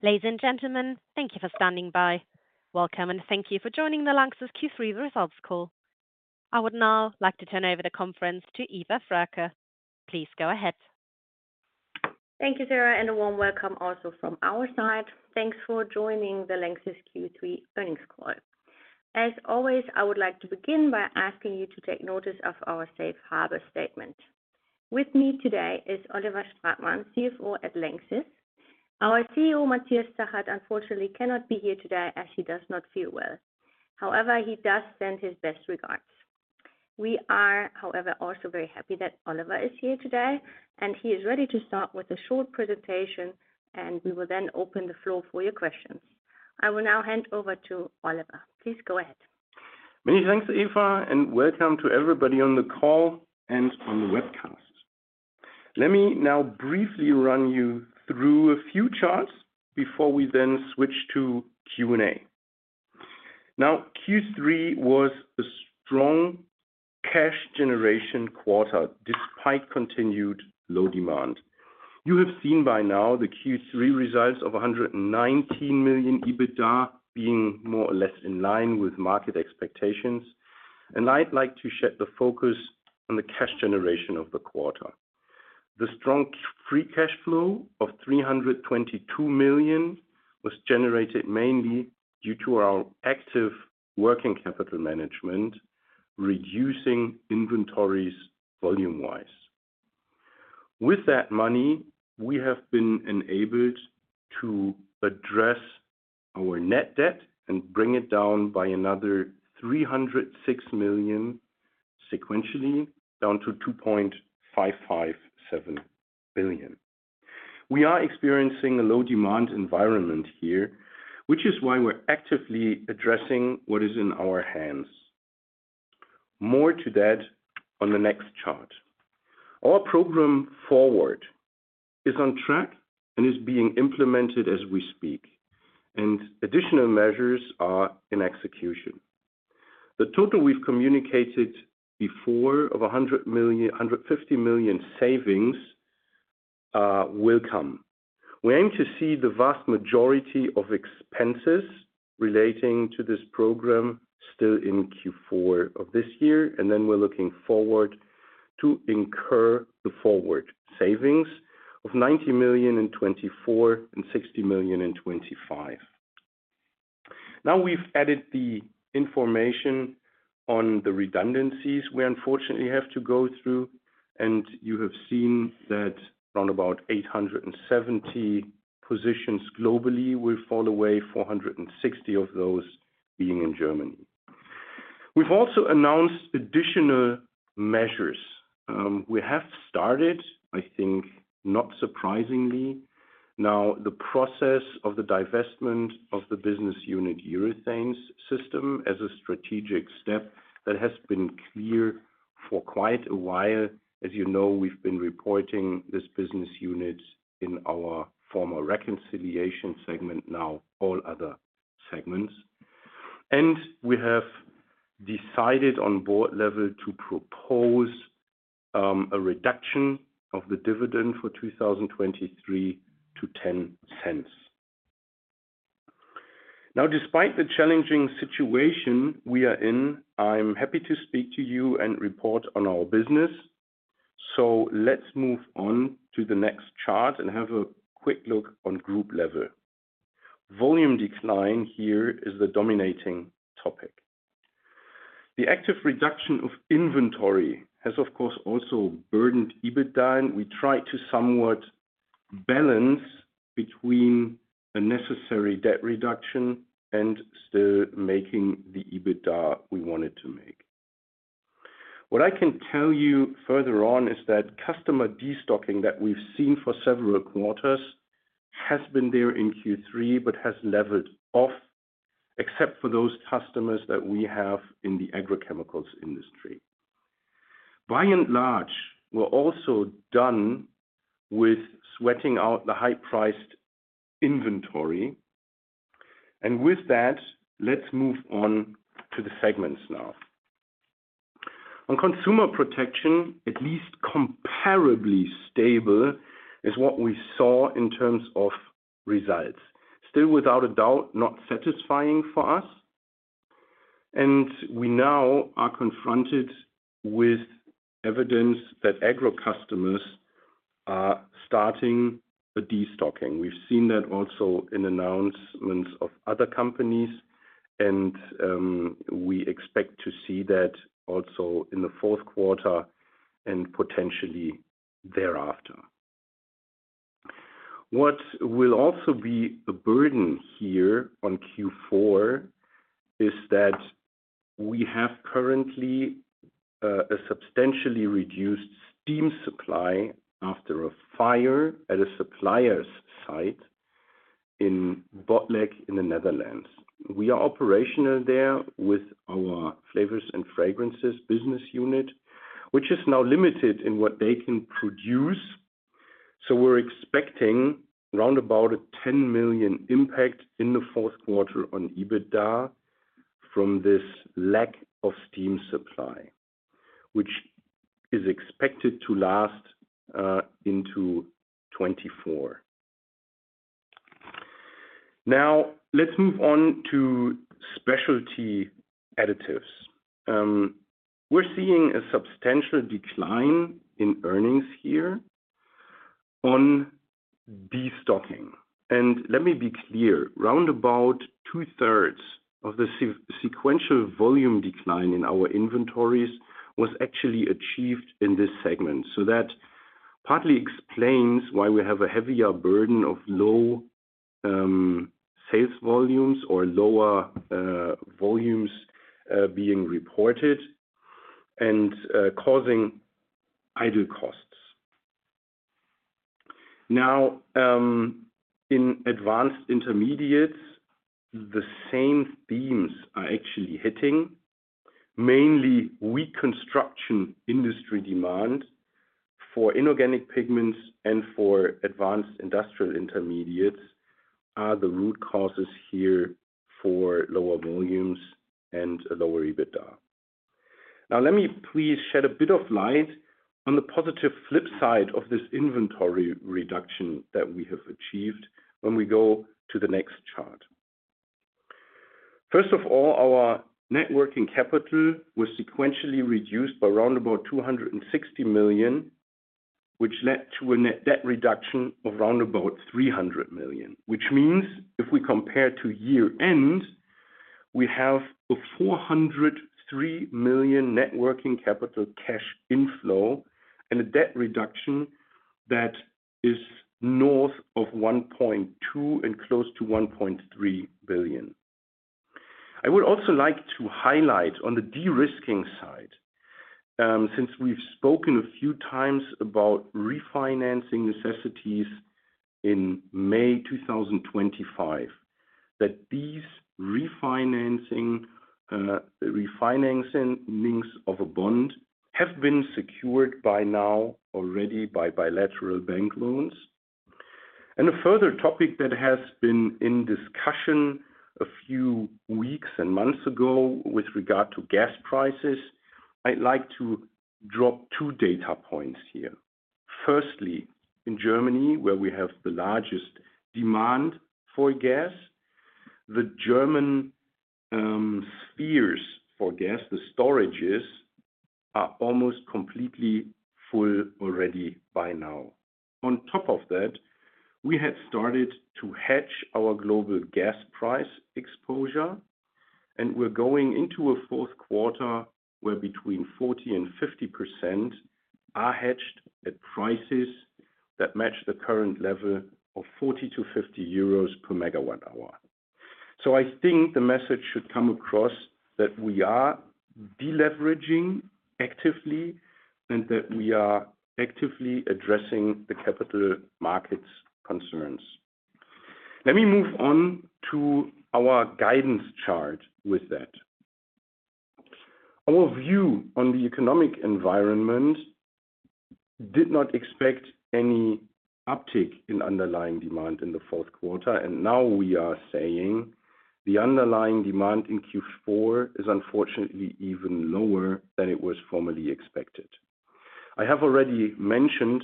Ladies and gentlemen, thank you for standing by. Welcome, and thank you for joining the LANXESS Q3 Results Call. I would now like to turn over the conference to Eva Frerker. Please go ahead. Thank you, Sarah, and a warm welcome also from our side. Thanks for joining the LANXESS Q3 earnings call. As always, I would like to begin by asking you to take notice of our safe harbor statement. With me today is Oliver Stratmann, CFO at LANXESS. Our CEO, Matthias Zachert, unfortunately cannot be here today as he does not feel well. However, he does send his best regards. We are, however, also very happy that Oliver is here today, and he is ready to start with a short presentation, and we will then open the floor for your questions. I will now hand over to Oliver. Please go ahead. Many thanks, Eva, and welcome to everybody on the call and on the webcast. Let me now briefly run you through a few charts before we then switch to Q&A. Now, Q3 was a strong cash generation quarter, despite continued low demand. You have seen by now the Q3 results of 119 million EBITDA being more or less in line with market expectations, and I'd like to shed the focus on the cash generation of the quarter. The strong free cash flow of 322 million was generated mainly due to our active working capital management, reducing inventories volume-wise. With that money, we have been enabled to address our net debt and bring it down by another 306 million sequentially, down to 2.557 billion. We are experiencing a low demand environment here, which is why we're actively addressing what is in our hands. More to that on the next chart. Our FORWARD program is on track and is being implemented as we speak, and additional measures are in execution. The total we've communicated before of 100 million-150 million savings will come. We aim to see the vast majority of expenses relating to this program still in Q4 of this year, and then we're looking forward to incur the FORWARD savings of 90 million in 2024 and 60 million in 2025. Now, we've added the information on the redundancies we unfortunately have to go through, and you have seen that around about 870 positions globally will fall away, 460 of those being in Germany. We've also announced additional measures. We have started, I think, not surprisingly, now, the process of the divestment of the business unit Urethane Systems as a strategic step that has been clear for quite a while. As you know, we've been reporting this business unit in our former reconciliation segment, now all other segments. We have decided on board level to propose a reduction of the dividend for 2023 to 0.10. Now, despite the challenging situation we are in, I'm happy to speak to you and report on our business. Let's move on to the next chart and have a quick look on group level. Volume decline here is the dominating topic. The active reduction of inventory has, of course, also burdened EBITDA, and we try to somewhat balance between the necessary debt reduction and still making the EBITDA we wanted to make. What I can tell you further on is that customer destocking that we've seen for several quarters has been there in Q3, but has leveled off, except for those customers that we have in the agrochemicals industry. By and large, we're also done with sweating out the high-priced inventory, and with that, let's move on to the segments now. On Consumer Protection, at least comparably stable, is what we saw in terms of results. Still, without a doubt, not satisfying for us, and we now are confronted with evidence that agro customers are starting a destocking. We've seen that also in announcements of other companies, and we expect to see that also in the fourth quarter and potentially thereafter. What will also be a burden here on Q4 is that we have currently a substantially reduced steam supply after a fire at a supplier's site in Botlek in the Netherlands. We are operational there with our Flavors and Fragrances business unit, which is now limited in what they can produce, so we're expecting around about a 10 million impact in the fourth quarter on EBITDA from this lack of steam supply, which is expected to last into 2024. Now, let's move on to Specialty Additives. We're seeing a substantial decline in earnings here on destocking. And let me be clear, round about two-thirds of the sequential volume decline in our inventories was actually achieved in this segment. So that partly explains why we have a heavier burden of low sales volumes or lower volumes being reported and causing idle costs. Now, in Advanced Intermediates, the same themes are actually hitting. Mainly, weak construction industry demand for Inorganic Pigments and for Advanced Industrial Intermediates are the root causes here for lower volumes and a lower EBITDA. Now let me please shed a bit of light on the positive flip side of this inventory reduction that we have achieved when we go to the next chart. First of all, our net working capital was sequentially reduced by around about 260 million, which led to a net debt reduction of around about 300 million. Which means if we compare to year-end, we have a 403 million net working capital cash inflow and a debt reduction that is north of 1.2 billion and close to 1.3 billion. I would also like to highlight on the de-risking side, since we've spoken a few times about refinancing necessities in May 2025, that these refinancing, refinancings of a bond have been secured by now already by bilateral bank loans. A further topic that has been in discussion a few weeks and months ago with regard to gas prices, I'd like to drop two data points here. Firstly, in Germany, where we have the largest demand for gas, the German Speicher for gas, the storages, are almost completely full already by now. On top of that, we had started to hedge our global gas price exposure, and we're going into a fourth quarter where between 40% and 50% are hedged at prices that match the current level of 40-50 euros per megawatt hour. So I think the message should come across that we are deleveraging actively and that we are actively addressing the capital markets concerns. Let me move on to our guidance chart with that. Our view on the economic environment did not expect any uptick in underlying demand in the fourth quarter, and now we are saying the underlying demand in Q4 is unfortunately even lower than it was formerly expected. I have already mentioned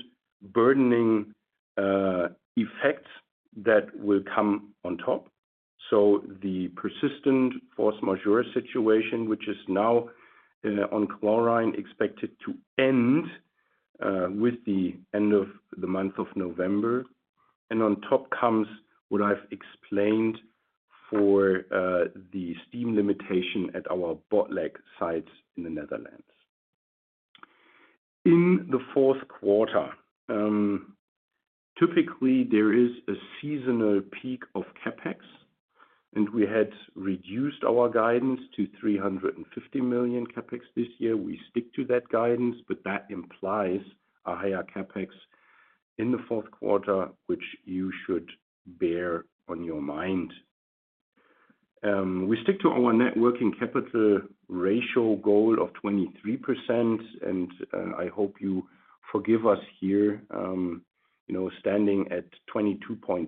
burdening effects that will come on top. So the persistent force majeure situation, which is now on chlorine, expected to end with the end of the month of November. And on top comes what I've explained for the steam limitation at our Botlek site in the Netherlands. In the fourth quarter, typically there is a seasonal peak of CapEx, and we had reduced our guidance to 350 million CapEx this year. We stick to that guidance, but that implies a higher CapEx in the fourth quarter, which you should bear in mind. We stick to our net working capital ratio goal of 23%, and, I hope you forgive us here, you know, standing at 22.2%,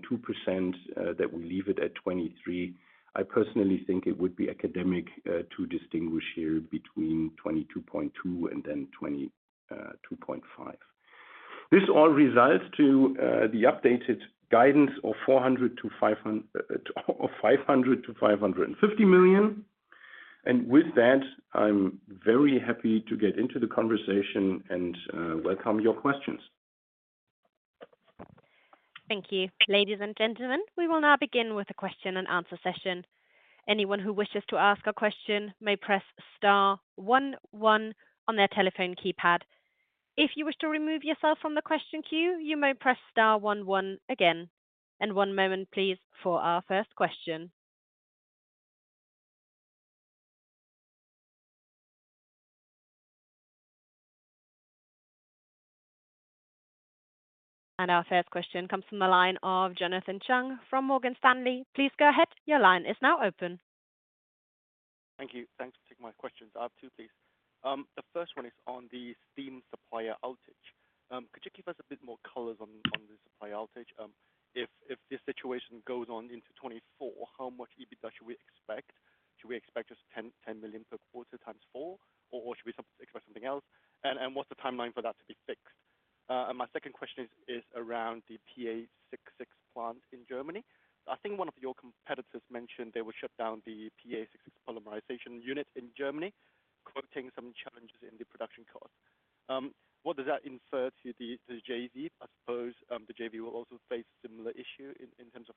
that we leave it at 23%. I personally think it would be academic, to distinguish here between 22.2% and then 22.5%. This all results in the updated guidance of 500 million-550 million. And with that, I'm very happy to get into the conversation and, welcome your questions. Thank you. Ladies and gentlemen, we will now begin with the question and answer session. Anyone who wishes to ask a question may press star one one on their telephone keypad. If you wish to remove yourself from the question queue, you may press star one one again. And one moment please, for our first question. And our first question comes from the line of Jonathan Chung from Morgan Stanley. Please go ahead. Your line is now open. Thank you. Thanks for taking my questions. I have two, please. The first one is on the steam supplier outage. Could you give us a bit more colors on the supply outage? If this situation goes on into 2024, how much EBITDA should we expect? Should we expect just 10 million per quarter times four, or should we expect something else? And what's the timeline for that to be fixed? And my second question is around the PA66 plant in Germany. I think one of your competitors mentioned they will shut down the PA66 polymerization unit in Germany, quoting some challenges in the production cost. What does that infer to the JV? I suppose the JV will also face similar issue in terms of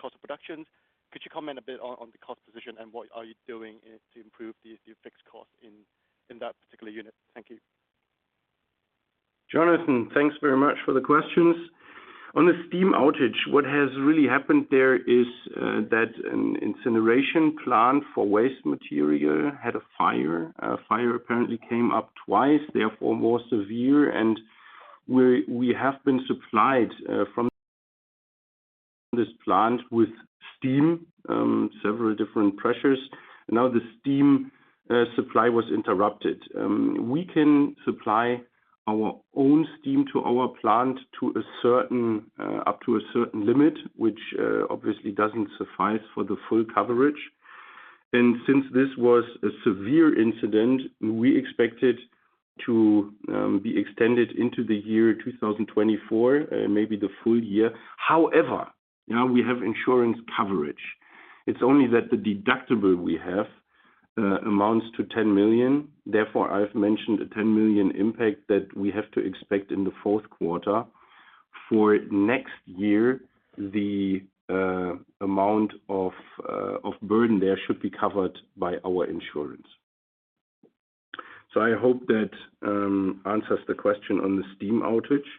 cost of production. Could you comment a bit on the cost position, and what are you doing to improve the fixed cost in that particular unit? Thank you. Jonathan, thanks very much for the questions. On the steam outage, what has really happened there is that an incineration plant for waste material had a fire. A fire apparently came up twice, therefore more severe, and we have been supplied from this plant with steam several different pressures. Now the steam supply was interrupted. We can supply our own steam to our plant to a certain up to a certain limit, which obviously doesn't suffice for the full coverage. Since this was a severe incident, we expected to be extended into the year 2024, maybe the full year. However, now we have insurance coverage. It's only that the deductible we have amounts to 10 million. Therefore, I've mentioned a 10 million impact that we have to expect in the fourth quarter. For next year, the amount of burden there should be covered by our insurance. So I hope that answers the question on the steam outage.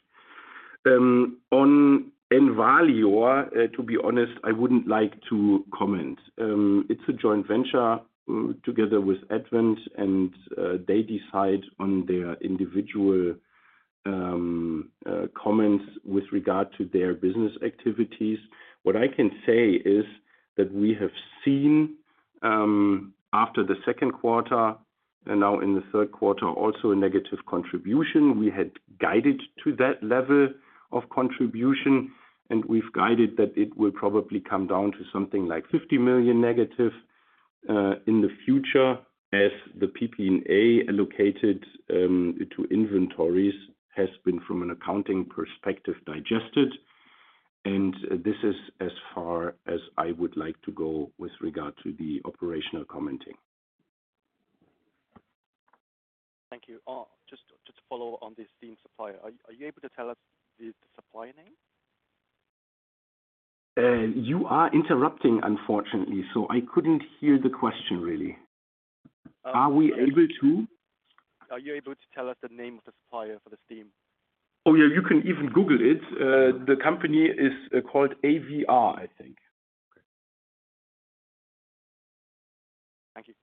On Envalior, to be honest, I wouldn't like to comment. It's a joint venture together with Advent, and they decide on their individual comments with regard to their business activities. What I can say is that we have seen after the second quarter and now in the third quarter, also a negative contribution. We had guided to that level of contribution, and we've guided that it will probably come down to something like 50 million negative in the future, as the PPA allocated to inventories has been, from an accounting perspective, digested. And this is as far as I would like to go with regard to the operational commenting. Thank you. Just, just to follow on the steam supplier. Are you able to tell us the supplier name? You are interrupting, unfortunately, so I couldn't hear the question really. Are we able to? Are you able to tell us the name of the supplier for the steam? Oh, yeah, you can even Google it. The company is called AVR, I think. Thank you.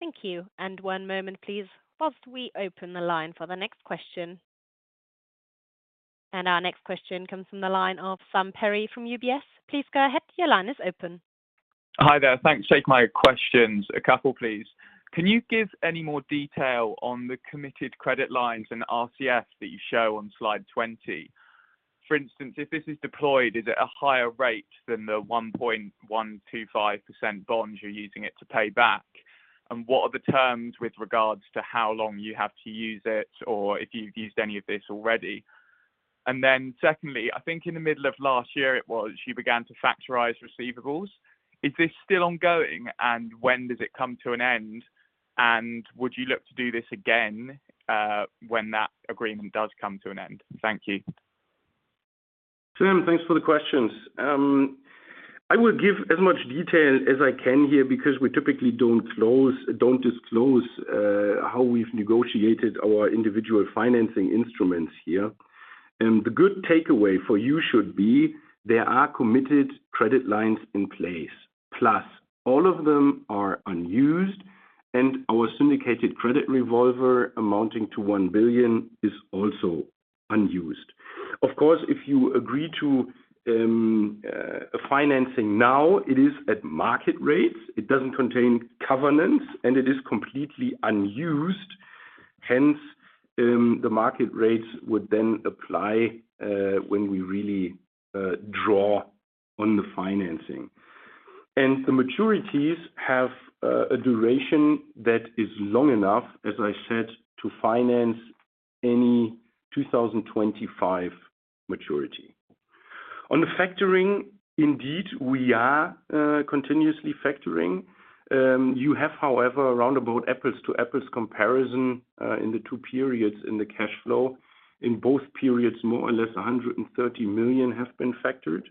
Thank you. One moment, please, while we open the line for the next question. Our next question comes from the line of Sam Perry from UBS. Please go ahead. Your line is open. Hi there. Thanks for taking my questions. A couple, please. Can you give any more detail on the committed credit lines and RCF that you show on slide 20? For instance, if this is deployed, is it a higher rate than the 1.125% bonds you're using it to pay back? And what are the terms with regards to how long you have to use it, or if you've used any of this already? And then secondly, I think in the middle of last year, it was, you began to factor receivables. Is this still ongoing, and when does it come to an end? And would you look to do this again, when that agreement does come to an end? Thank you. Sam, thanks for the questions. I will give as much detail as I can here because we typically don't disclose how we've negotiated our individual financing instruments here. And the good takeaway for you should be, there are committed credit lines in place, plus all of them are unused, and our syndicated credit revolver, amounting to 1 billion, is also unused. Of course, if you agree to a financing now, it is at market rates, it doesn't contain covenants, and it is completely unused. Hence, the market rates would then apply when we really draw on the financing. And the maturities have a duration that is long enough, as I said, to finance any 2025 maturity. On the factoring, indeed, we are continuously factoring. You have, however, around about apples to apples comparison in the two periods in the cash flow. In both periods, more or less 130 million have been factored,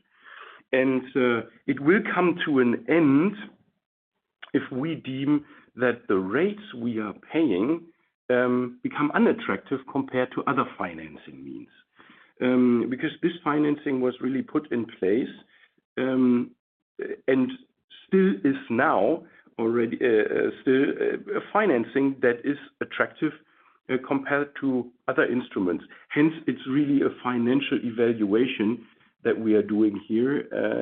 and it will come to an end if we deem that the rates we are paying become unattractive compared to other financing means. Because this financing was really put in place, and still is now, already, still a financing that is attractive compared to other instruments. Hence, it's really a financial evaluation that we are doing here,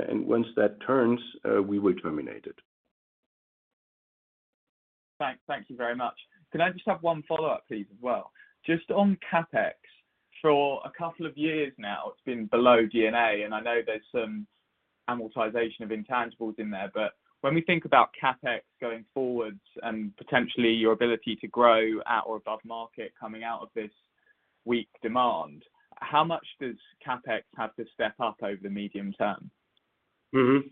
and once that turns, we will terminate it.... Thanks. Thank you very much. Can I just have one follow-up, please, as well? Just on CapEx, for a couple of years now, it's been below D&A, and I know there's some amortization of intangibles in there. But when we think about CapEx going forward and potentially your ability to grow at or above market coming out of this weak demand, how much does CapEx have to step up over the medium term? Mm-hmm.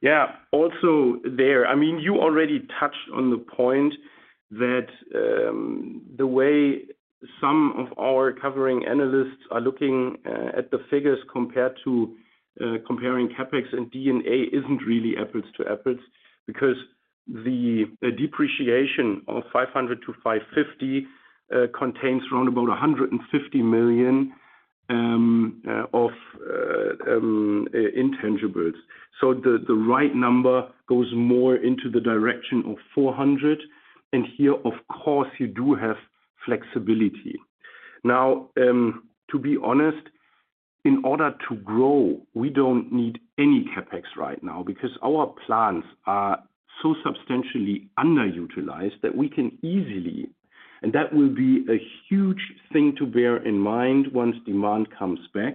Yeah, also there, I mean, you already touched on the point that the way some of our covering analysts are looking at the figures compared to comparing CapEx and D&A isn't really apples to apples. Because the depreciation of 500-550 contains around about 150 million of intangibles. So the right number goes more into the direction of 400, and here, of course, you do have flexibility. Now, to be honest, in order to grow, we don't need any CapEx right now because our plants are so substantially underutilized that we can easily, and that will be a huge thing to bear in mind once demand comes back.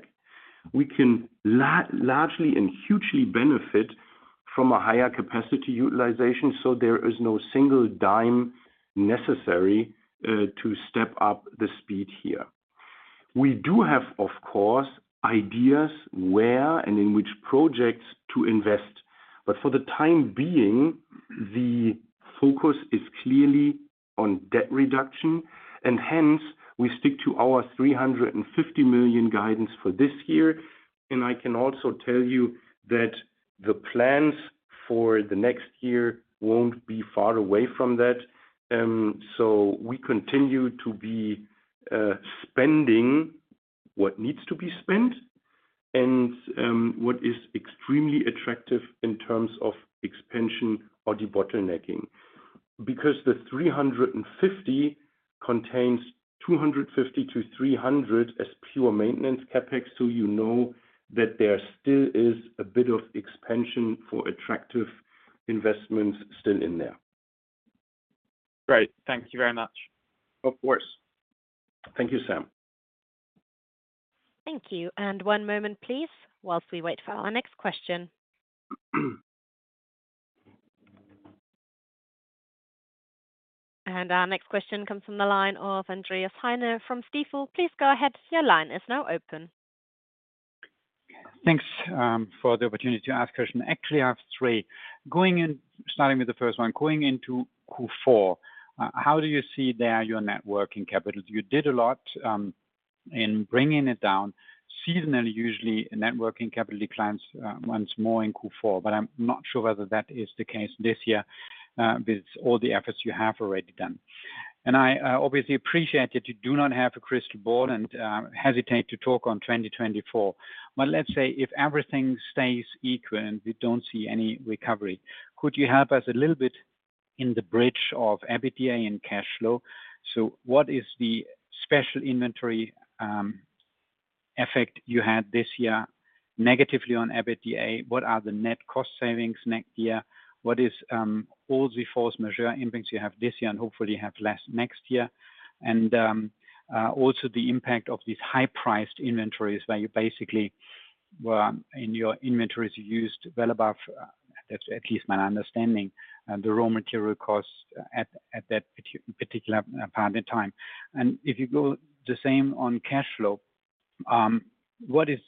We can largely and hugely benefit from a higher capacity utilization, so there is no single dime necessary to step up the speed here. We do have, of course, ideas where and in which projects to invest, but for the time being, the focus is clearly on debt reduction, and hence, we stick to our 350 million guidance for this year. I can also tell you that the plans for the next year won't be far away from that. So we continue to be spending what needs to be spent and what is extremely attractive in terms of expansion or debottlenecking. Because the EUR 350 million contains 250-300 as pure maintenance CapEx, so you know that there still is a bit of expansion for attractive investments still in there. Great. Thank you very much. Of course. Thank you, Sam. Thank you, and one moment, please, while we wait for our next question. Our next question comes from the line of Andreas Heine from Stifel. Please go ahead. Your line is now open. Thanks, for the opportunity to ask question. Actually, I have three. Starting with the first one, going into Q4, how do you see there your Net Working Capital? You did a lot, in bringing it down. Seasonally, usually, a Net Working Capital declines, once more in Q4, but I'm not sure whether that is the case this year, with all the efforts you have already done. And I obviously appreciate that you do not have a crystal ball and, hesitate to talk on 2024. But let's say if everything stays equal and we don't see any recovery, could you help us a little bit in the bridge of EBITDA and cash flow? So what is the special inventory, effect you had this year, negatively on EBITDA? What are the net cost savings next year? What is all the Force Majeure impacts you have this year and hopefully have less next year? And also the impact of these high-priced inventories, where you basically, well, in your inventories, you used well above, that's at least my understanding, the raw material costs at that particular point in time. And if you go the same on cash flow, what is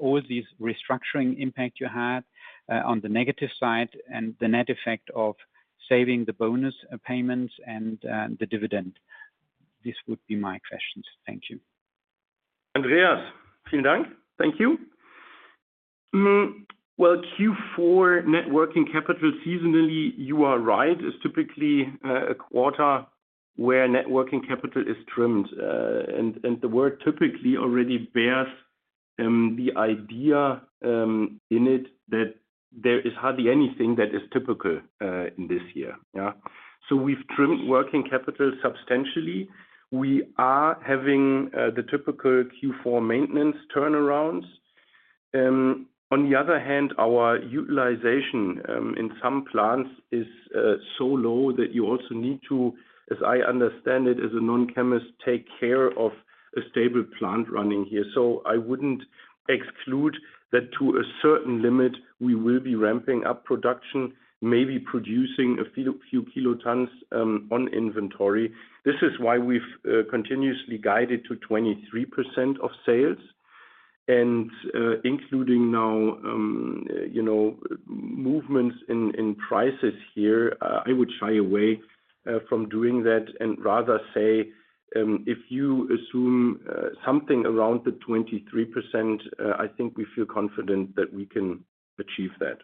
all these restructuring impact you had on the negative side and the net effect of saving the bonus payments and the dividend? This would be my questions. Thank you. Andreas, thank you. Well, Q4 Net Working Capital, seasonally, you are right, is typically a quarter where Net Working Capital is trimmed. And the word typically already bears the idea in it that there is hardly anything that is typical in this year. So we've trimmed working capital substantially. We are having the typical Q4 maintenance turnarounds. On the other hand, our utilization in some plants is so low that you also need to, as I understand it, as a non-chemist, take care of a stable plant running here. So I wouldn't exclude that to a certain limit, we will be ramping up production, maybe producing a few kilotons on inventory. This is why we've continuously guided to 23% of sales, and including now, you know, movements in prices here, I would shy away from doing that, and rather say, if you assume something around the 23%, I think we feel confident that we can achieve that.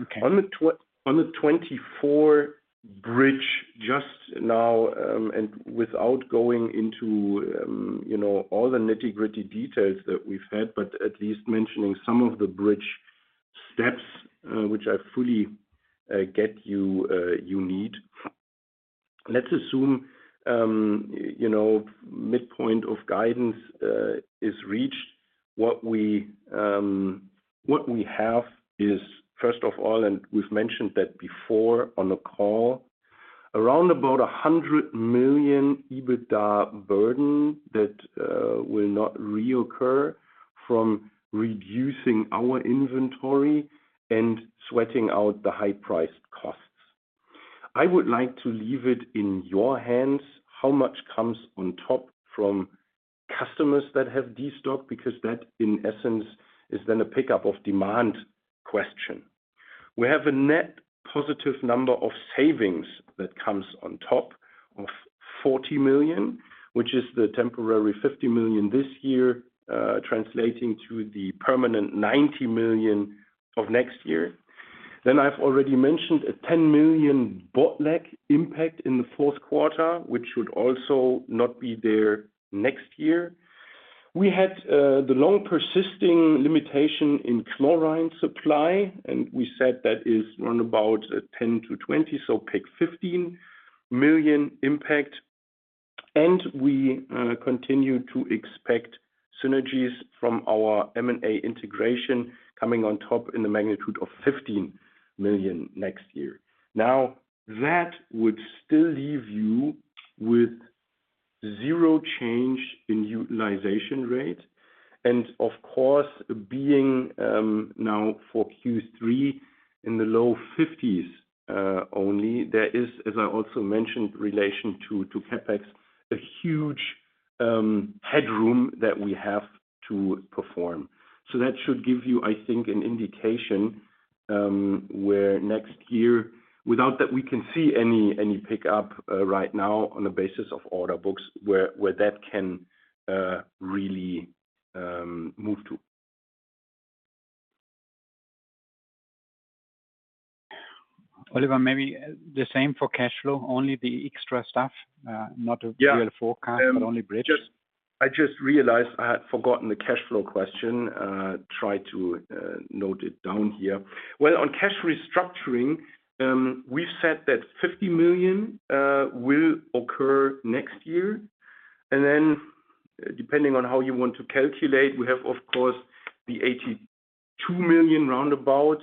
Okay. On the 2024 bridge just now, and without going into, you know, all the nitty-gritty details that we've had, but at least mentioning some of the bridge steps, which I fully get you, you need. Let's assume, you know, midpoint of guidance is reached. What we, what we have is, first of all, and we've mentioned that before on the call, around about 100 million EBITDA burden that will not reoccur from reducing our inventory and sweating out the high-priced costs. I would like to leave it in your hands, how much comes on top from customers that have destocked, because that, in essence, is then a pickup of demand question. We have a net positive number of savings that comes on top of 40 million, which is the temporary 50 million this year, translating to the permanent 90 million of next year. Then I've already mentioned a 10 million bottleneck impact in the fourth quarter, which would also not be there next year. We had the long-persisting limitation in chlorine supply, and we said that is around about 10 million-20 million, so pick 15 million impact. And we continue to expect synergies from our M&A integration coming on top in the magnitude of 15 million next year. Now, that would still leave you with zero change in utilization rate. And of course, being now for Q3 in the low 50s only, there is, as I also mentioned, relation to, to CapEx, a huge headroom that we have to perform. So that should give you, I think, an indication where next year, without that, we can see any pickup right now on the basis of order books where that can really move to. Oliver, maybe the same for cash flow, only the extra stuff, not a- Yeah real forecast, but only bridge. I just realized I had forgotten the cash flow question. Try to note it down here. Well, on cash restructuring, we've said that 50 million will occur next year. And then, depending on how you want to calculate, we have, of course, the 82 million roundabout.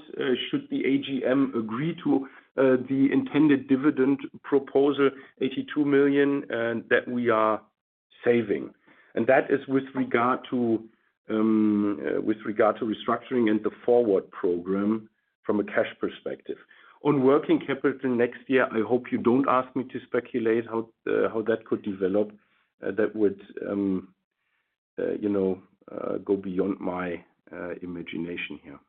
Should the AGM agree to the intended dividend proposal, 82 million, and that we are saving. And that is with regard to, with regard to restructuring and the forward program from a cash perspective. On working capital next year, I hope you don't ask me to speculate how that could develop. That would, you know, go beyond my imagination here.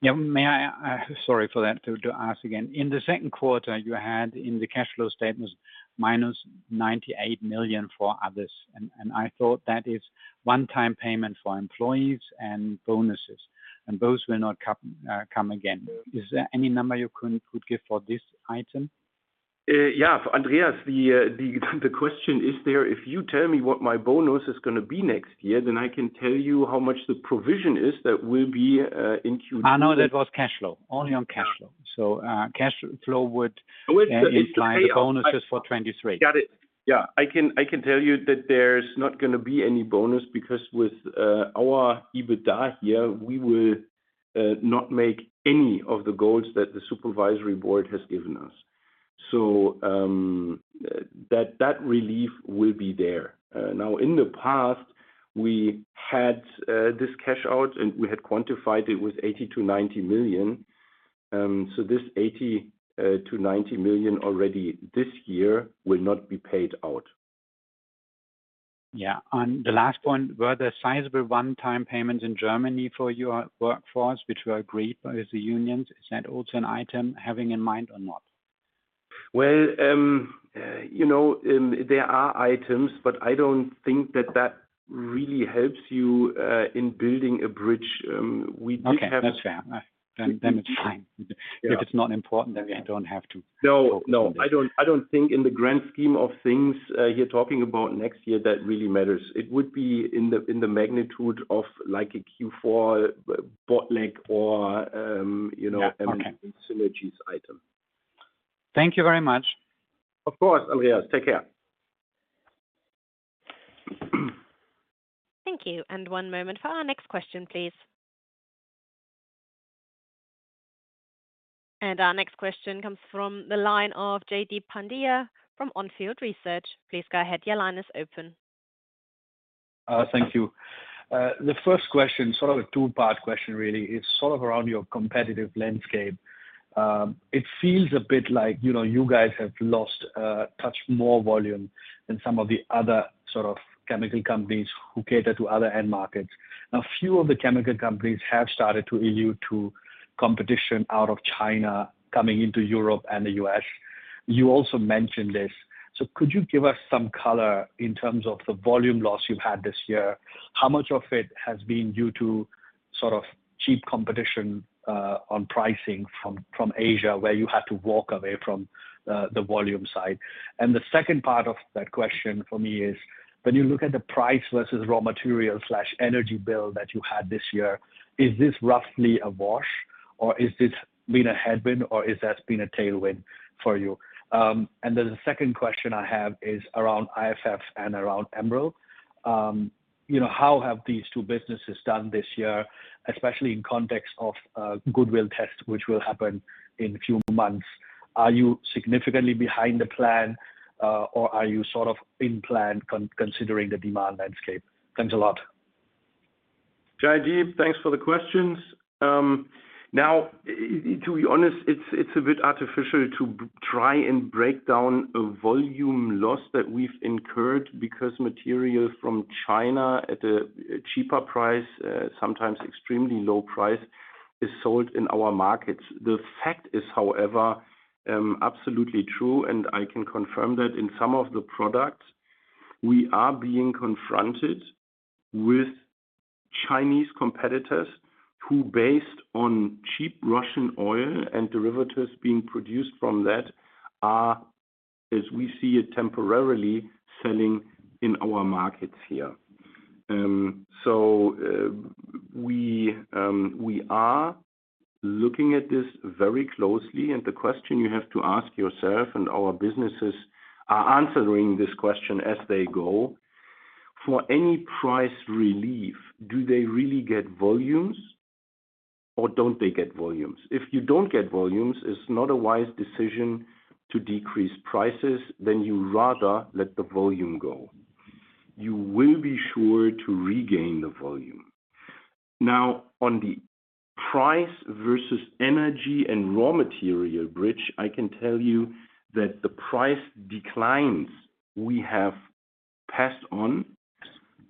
Yeah. May I, sorry for that, to ask again. In the second quarter, you had in the cash flow statements, -98 million for others, and I thought that is one-time payment for employees and bonuses, and those will not come, come again. Is there any number you could give for this item? Yeah, Andreas, the question is there, if you tell me what my bonus is gonna be next year, then I can tell you how much the provision is that will be in Q- Ah, no, that was cash flow. Only on cash flow. Yeah. Cash flow would- Oh, it's- Include the bonuses for 2023. Got it. Yeah, I can, I can tell you that there's not gonna be any bonus, because with our EBITDA here, we will not make any of the goals that the supervisory board has given us. So, that relief will be there. Now, in the past, we had this cash-out, and we had quantified it with 80 million-90 million. So, this 80 million-90 million already this year will not be paid out. Yeah. On the last point, were there sizable one-time payments in Germany for your workforce, which were agreed by the unions? Is that also an item having in mind or not? Well, you know, there are items, but I don't think that that really helps you in building a bridge. We did have- Okay, that's fair. Then, then it's fine. Yeah. If it's not important, then we don't have to. No, no, I don't, I don't think in the grand scheme of things, you're talking about next year, that really matters. It would be in the, in the magnitude of like a Q4 bottleneck or, you know- Yeah, okay... synergies item. Thank you very much. Of course, Andreas. Take care. Thank you, and one moment for our next question, please. Our next question comes from the line of Jaideep Pandya from Onfield Research. Please go ahead. Your line is open. Thank you. The first question, sort of a two-part question, really, is sort of around your competitive landscape. It feels a bit like, you know, you guys have lost touch more volume than some of the other sort of chemical companies who cater to other end markets. Now, a few of the chemical companies have started to allude to competition out of China coming into Europe and the US. You also mentioned this. So could you give us some color in terms of the volume loss you've had this year? How much of it has been due to sort of cheap competition on pricing from, from Asia, where you had to walk away from the volume side? And the second part of that question for me is, when you look at the price versus raw material/energy bill that you had this year, is this roughly a wash, or is this been a headwind, or has that been a tailwind for you? And then the second question I have is around IFF and around Emerald. You know, how have these two businesses done this year, especially in context of, goodwill test, which will happen in a few months? Are you significantly behind the plan, or are you sort of in plan considering the demand landscape? Thanks a lot. Jaideep, thanks for the questions. Now, to be honest, it's a bit artificial to try and break down a volume loss that we've incurred because material from China at a cheaper price, sometimes extremely low price, is sold in our markets. The fact is, however, absolutely true, and I can confirm that in some of the products, we are being confronted with Chinese competitors who, based on cheap Russian oil and derivatives being produced from that, are, as we see it, temporarily selling in our markets here. So, we are looking at this very closely, and the question you have to ask yourself and our businesses are answering this question as they go: For any price relief, do they really get volumes or don't they get volumes? If you don't get volumes, it's not a wise decision to decrease prices, then you rather let the volume go. You will be sure to regain the volume. Now, on the price versus energy and raw material bridge, I can tell you that the price declines we have passed on,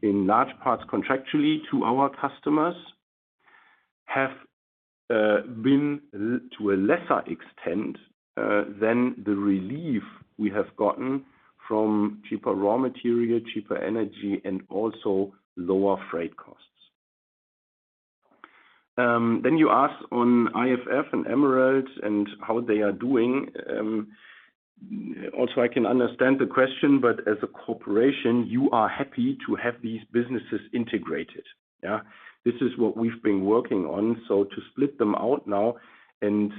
in large parts contractually to our customers, have been to a lesser extent than the relief we have gotten from cheaper raw material, cheaper energy, and also lower freight costs. Then you ask on IFF and Emerald and how they are doing. Also, I can understand the question, but as a corporation, you are happy to have these businesses integrated. Yeah? This is what we've been working on, so to split them out now and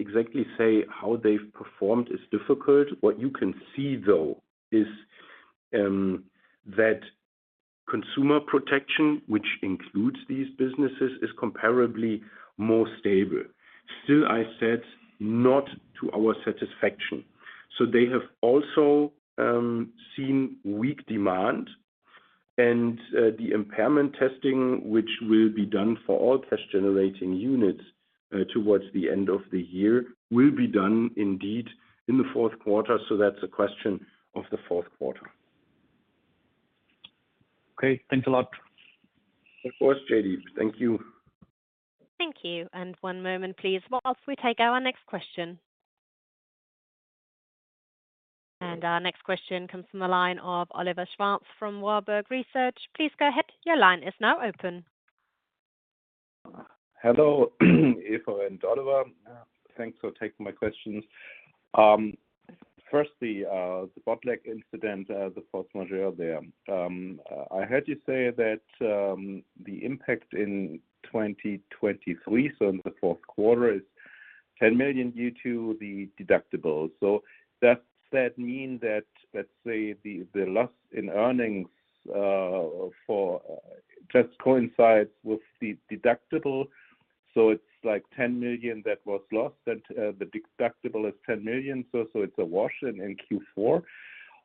exactly say how they've performed is difficult. What you can see, though, is that Consumer Protection, which includes these businesses, is comparably more stable. Still, I said, not to our satisfaction. So they have also seen weak demand, and the impairment testing, which will be done for all cash-generating units, towards the end of the year, will be done indeed in the fourth quarter. So that's a question of the fourth quarter. Okay, thanks a lot. Of course, Jaideep. Thank you. Thank you. And one moment, please, while we take our next question. And our next question comes from the line of Oliver Schwarz from Warburg Research. Please go ahead. Your line is now open. Hello, Eva and Oliver. Thanks for taking my questions. Firstly, the Botlek incident, the force majeure there. I heard you say that the impact in 2023, so in the fourth quarter, is 10 million due to the deductible. So does that mean that, let's say, the loss in earnings just coincides with the deductible, so it's like 10 million that was lost, and the deductible is 10 million, so it's a wash in Q4?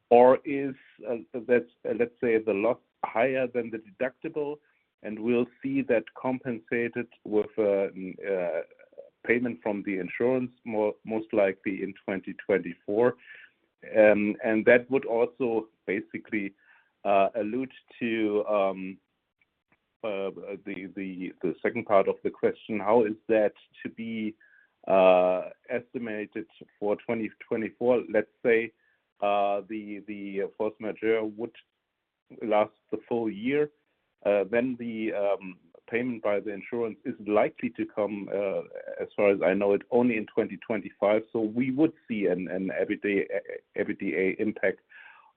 Or is that, let's say, the loss higher than the deductible, and we'll see that compensated with payment from the insurance most likely in 2024? And that would also basically allude to the second part of the question, how is that to be estimated for 2024? Let's say the force majeure would last the full year, then the payment by the insurance is likely to come, as far as I know it, only in 2025. So we would see an everyday impact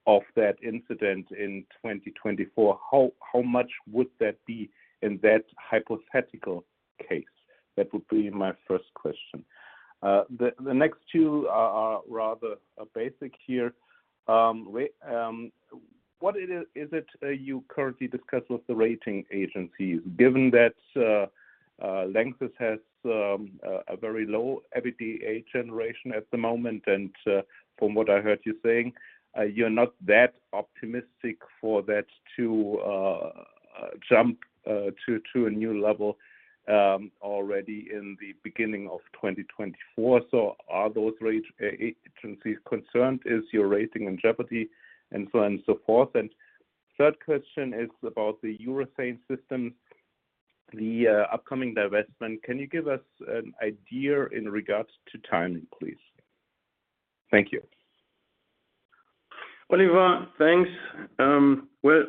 of that incident in 2024. How much would that be in that hypothetical case? That would be my first question. The next two are rather basic here. What is it you currently discuss with the rating agencies, given that LANXESS has a very low EBITDA generation at the moment, and from what I heard you saying, you're not that optimistic for that to jump to a new level already in the beginning of 2024. So are those rating agencies concerned? Is your rating in jeopardy? And so on and so forth. And third question is about the Urethane Systems, the upcoming divestment. Can you give us an idea in regards to timing, please? Thank you.... Oliver, thanks. Well,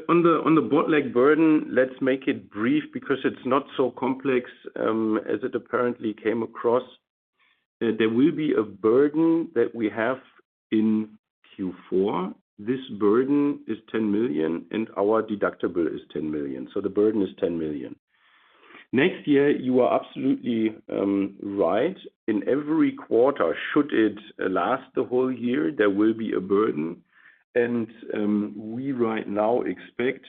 on the, on the Botlek burden, let's make it brief because it's not so complex, as it apparently came across. There will be a burden that we have in Q4. This burden is 10 million, and our deductible is 10 million, so the burden is 10 million. Next year, you are absolutely, right. In every quarter, should it last the whole year, there will be a burden. And, we right now expect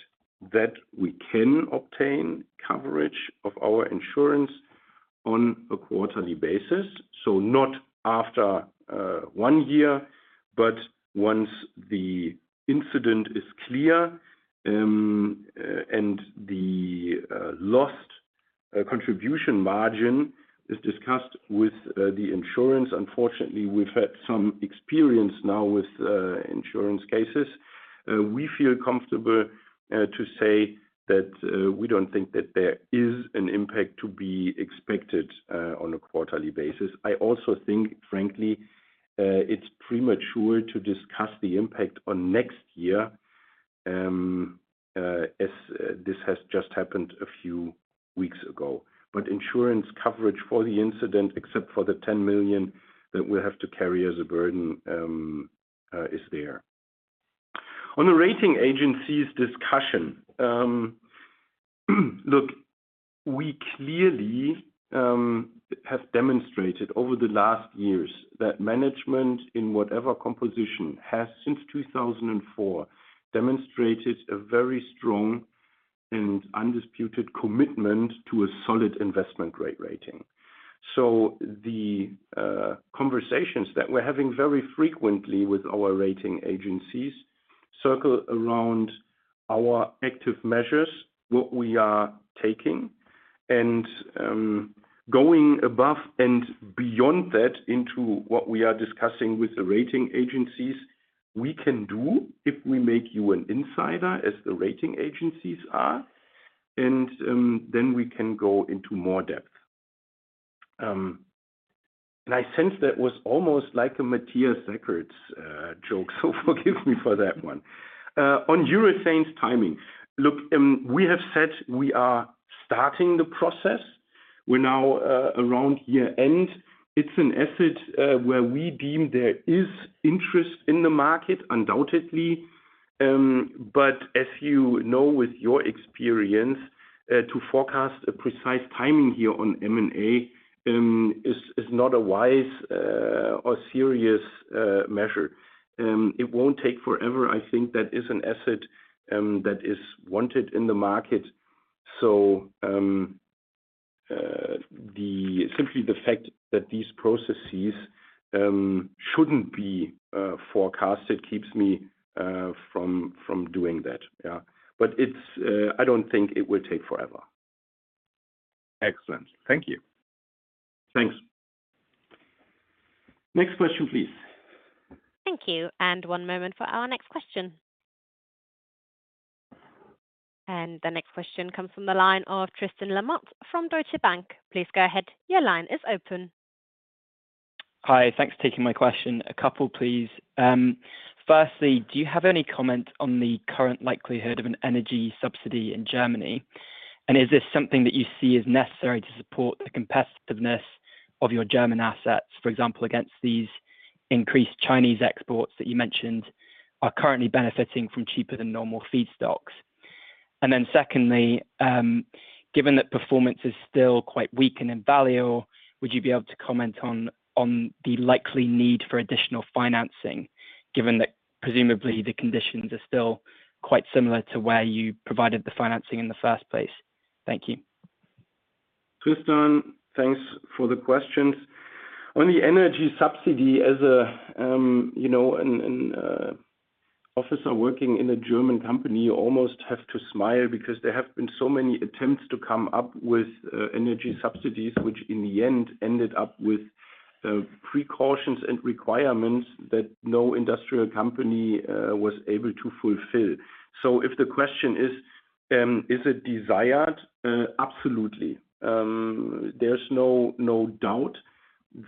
that we can obtain coverage of our insurance on a quarterly basis. So not after, one year, but once the incident is clear, and the, lost, contribution margin is discussed with, the insurance. Unfortunately, we've had some experience now with, insurance cases. We feel comfortable to say that we don't think that there is an impact to be expected on a quarterly basis. I also think, frankly, it's premature to discuss the impact on next year, as this has just happened a few weeks ago. But insurance coverage for the incident, except for the 10 million that we have to carry as a burden, is there. On the rating agency's discussion, look, we clearly have demonstrated over the last years that management in whatever composition, has since 2004, demonstrated a very strong and undisputed commitment to a solid investment grade rating. So the conversations that we're having very frequently with our rating agencies, circle around our active measures, what we are taking. Going above and beyond that into what we are discussing with the rating agencies, we can do if we make you an insider, as the rating agencies are, and then we can go into more depth. I sense that was almost like a Matthias Zachert's joke, so forgive me for that one. On Urethane's timing. Look, we have said we are starting the process. We're now around year end. It's an asset where we deem there is interest in the market, undoubtedly. But as you know, with your experience, to forecast a precise timing here on M&A is not a wise or serious measure. It won't take forever. I think that is an asset that is wanted in the market. So, simply the fact that these processes shouldn't be forecasted keeps me from doing that. Yeah. But it's, I don't think it will take forever. Excellent. Thank you. Thanks. Next question, please. Thank you, and one moment for our next question. The next question comes from the line of Tristan Lamotte from Deutsche Bank. Please go ahead. Your line is open. Hi, thanks for taking my question. A couple, please. Firstly, do you have any comment on the current likelihood of an energy subsidy in Germany? And is this something that you see as necessary to support the competitiveness of your German assets, for example, against these increased Chinese exports that you mentioned are currently benefiting from cheaper than normal feedstocks? And then secondly, given that performance is still quite weak and Envalior, would you be able to comment on the likely need for additional financing, given that presumably the conditions are still quite similar to where you provided the financing in the first place? Thank you. Tristan, thanks for the questions. On the energy subsidy, as a, you know, an officer working in a German company, you almost have to smile because there have been so many attempts to come up with energy subsidies, which in the end ended up with precautions and requirements that no industrial company was able to fulfill. So if the question is, is it desired? Absolutely. There's no doubt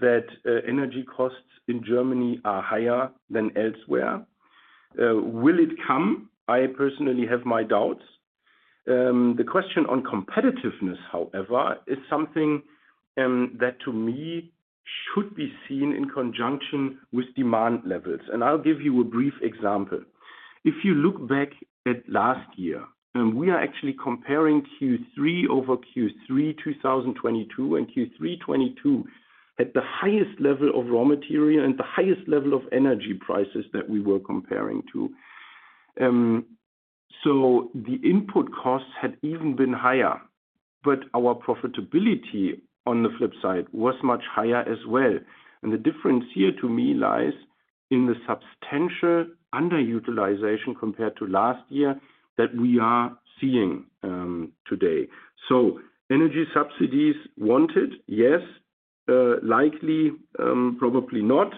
that energy costs in Germany are higher than elsewhere. Will it come? I personally have my doubts. The question on competitiveness, however, is something that to me should be seen in conjunction with demand levels, and I'll give you a brief example. If you look back at last year, and we are actually comparing Q3 over Q3, 2022 and Q3 2022, at the highest level of raw material and the highest level of energy prices that we were comparing to. So the input costs had even been higher, but our profitability on the flip side, was much higher as well. And the difference here, to me, lies in the substantial underutilization compared to last year that we are seeing, today. So energy subsidies wanted? Yes. Likely? Probably not.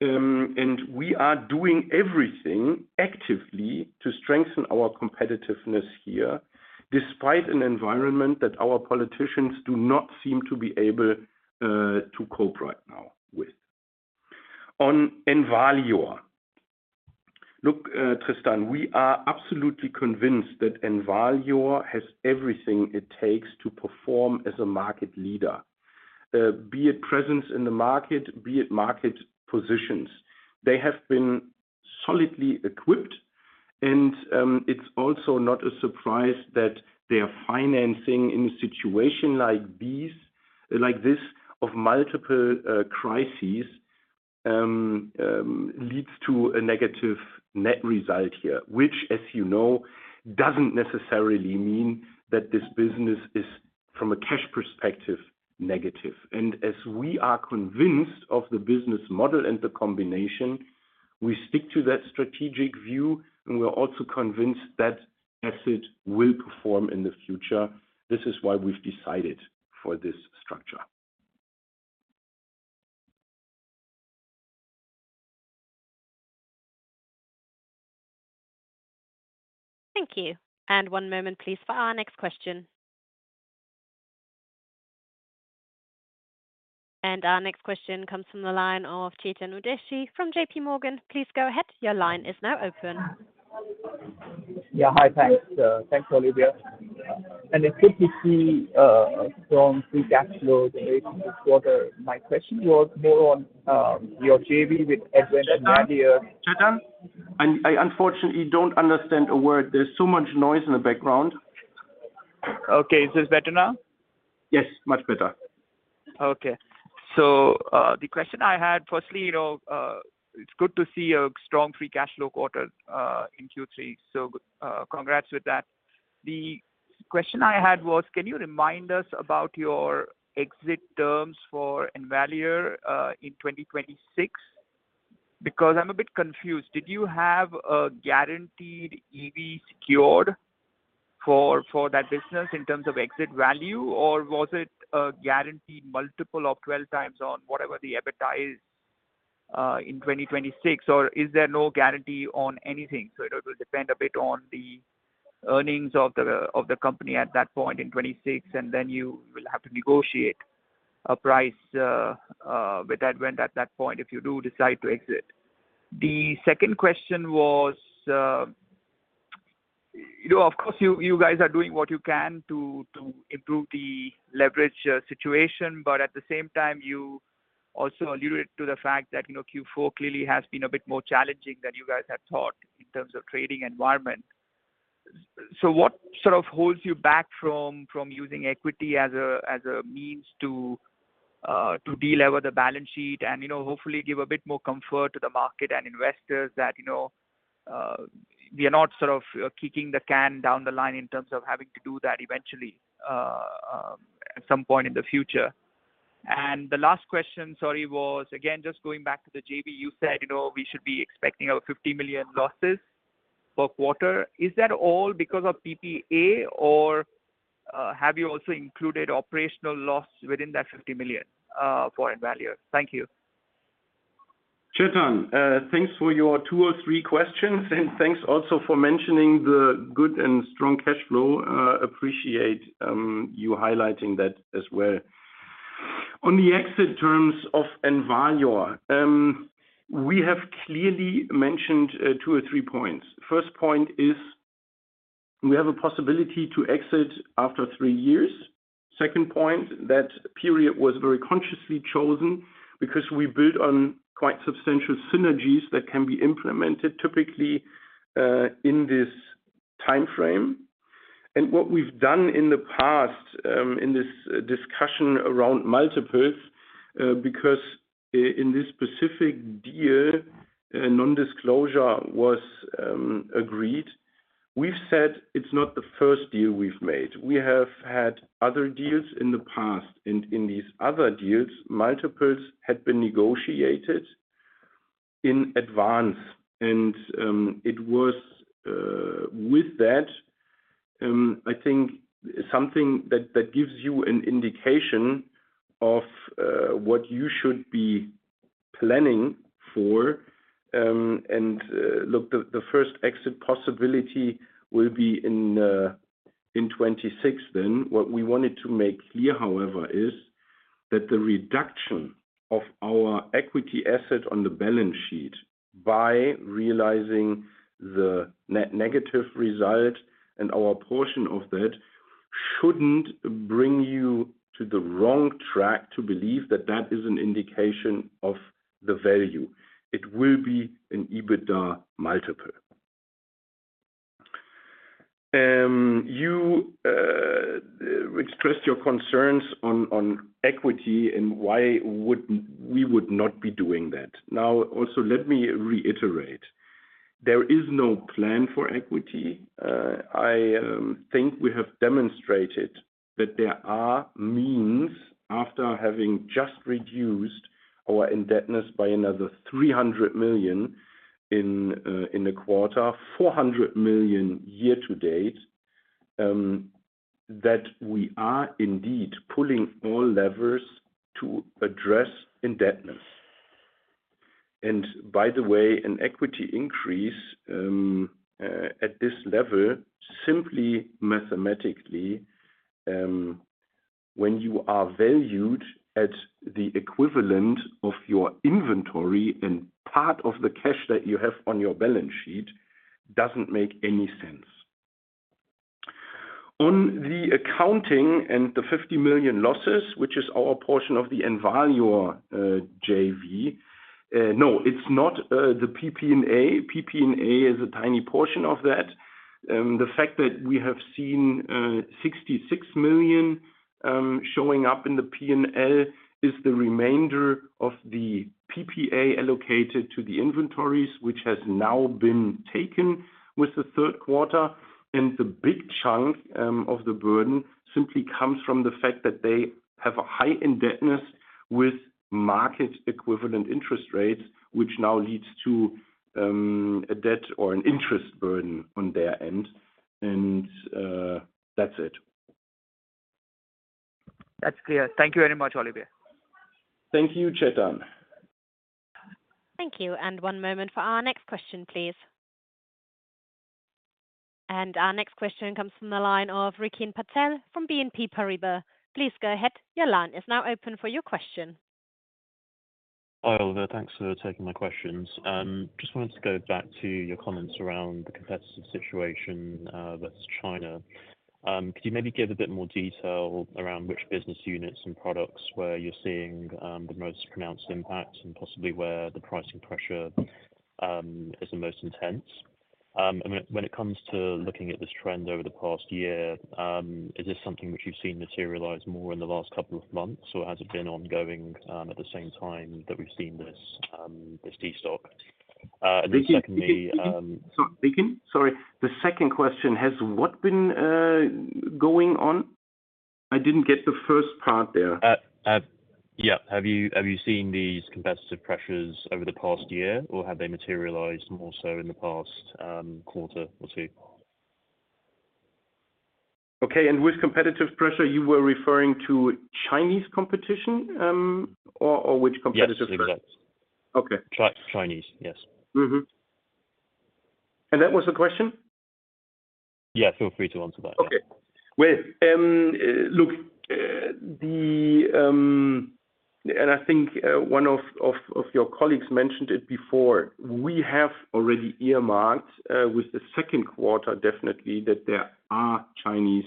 And we are doing everything actively to strengthen our competitiveness here, despite an environment that our politicians do not seem to be able to cope right now with. On Envalior-... Look, Tristan, we are absolutely convinced that Envalior has everything it takes to perform as a market leader, be it presence in the market, be it market positions. They have been solidly equipped, and, it's also not a surprise that their financing in a situation like these, like this, of multiple, crises, leads to a negative net result here, which, as you know, doesn't necessarily mean that this business is, from a cash perspective, negative. And as we are convinced of the business model and the combination, we stick to that strategic view, and we're also convinced that asset will perform in the future. This is why we've decided for this structure. Thank you. One moment, please, for our next question. Our next question comes from the line of Chetan Udeshi from JPMorgan. Please go ahead. Your line is now open. Yeah. Hi, thanks, thanks, Oliver. It's good to see strong free cash flow generation this quarter. My question was more on your JV with Advent and ADIA. Chetan, I unfortunately don't understand a word. There's so much noise in the background. Okay. Is this better now? Yes, much better. Okay. So, the question I had, firstly, you know, it's good to see a strong free cash flow quarter in Q3, so, congrats with that. The question I had was, can you remind us about your exit terms for Envalior in 2026? Because I'm a bit confused. Did you have a guaranteed EV secured for that business in terms of exit value, or was it a guaranteed multiple of 12x on whatever the EBITDA is in 2026, or is there no guarantee on anything? So it will depend a bit on the earnings of the company at that point in 2026, and then you will have to negotiate a price with Advent at that point, if you do decide to exit. The second question was, you know, of course, you, you guys are doing what you can to, to improve the leverage, situation, but at the same time, you also alluded to the fact that, you know, Q4 clearly has been a bit more challenging than you guys had thought in terms of trading environment. So what sort of holds you back from, from using equity as a, as a means to, to delever the balance sheet and, you know, hopefully give a bit more comfort to the market and investors that, you know, we are not sort of kicking the can down the line in terms of having to do that eventually, at some point in the future? The last question, sorry, was, again, just going back to the JV, you said, you know, we should be expecting over 50 million losses per quarter. Is that all because of PPA, or have you also included operational loss within that 50 million for Envalior? Thank you. Chetan, thanks for your two or three questions, and thanks also for mentioning the good and strong cash flow. Appreciate you highlighting that as well. On the exit terms of Envalior, we have clearly mentioned two or three points. First point is, we have a possibility to exit after three years. Second point, that period was very consciously chosen because we built on quite substantial synergies that can be implemented typically in this timeframe. And what we've done in the past, in this discussion around multiples, because in this specific deal, a non-disclosure was agreed. We've said it's not the first deal we've made. We have had other deals in the past, and in these other deals, multiples had been negotiated in advance, and it was with that, I think something that gives you an indication of what you should be planning for. And look, the first exit possibility will be in 2026 then. What we wanted to make clear, however, is that the reduction of our equity asset on the balance sheet by realizing the negative result and our portion of that shouldn't bring you to the wrong track to believe that that is an indication of the value. It will be an EBITDA multiple. You expressed your concerns on equity and why we would not be doing that. Now, also, let me reiterate, there is no plan for equity. I think we have demonstrated that there are means after having just reduced our indebtedness by another 300 million in the quarter, 400 million year to date, that we are indeed pulling all levers to address indebtedness. By the way, an equity increase at this level, simply mathematically, when you are valued at the equivalent of your inventory and part of the cash that you have on your balance sheet, doesn't make any sense. On the accounting and the 50 million losses, which is our portion of the Envalior JV. No, it's not the PPA. PPA is a tiny portion of that. The fact that we have seen 66 million showing up in the P&L is the remainder of the PPA allocated to the inventories, which has now been taken with the third quarter. And the big chunk of the burden simply comes from the fact that they have a high indebtedness with market equivalent interest rates, which now leads to a debt or an interest burden on their end, and that's it. That's clear. Thank you very much, Oliver. Thank you, Chetan. Thank you. One moment for our next question, please. Our next question comes from the line of Rikin Patel from BNP Paribas. Please go ahead. Your line is now open for your question. Hi, Oliver. Thanks for taking my questions. Just wanted to go back to your comments around the competitive situation, that's China. Could you maybe give a bit more detail around which business units and products, where you're seeing the most pronounced impact and possibly where the pricing pressure is the most intense? And when it comes to looking at this trend over the past year, is this something which you've seen materialize more in the last couple of months, or has it been ongoing at the same time that we've seen this destock? And secondly, Rikin, Rikin? Sorry, the second question, what has been going on? I didn't get the first part there. Yeah. Have you, have you seen these competitive pressures over the past year, or have they materialized more so in the past, quarter or two? Okay. And with competitive pressure, you were referring to Chinese competition, or, or which competitive pressures? Yes, exactly. Okay. Chinese, yes. Mm-hmm. That was the question? Yeah. Feel free to answer that. Okay. Well, look, I think one of your colleagues mentioned it before. We have already earmarked with the second quarter, definitely, that there are Chinese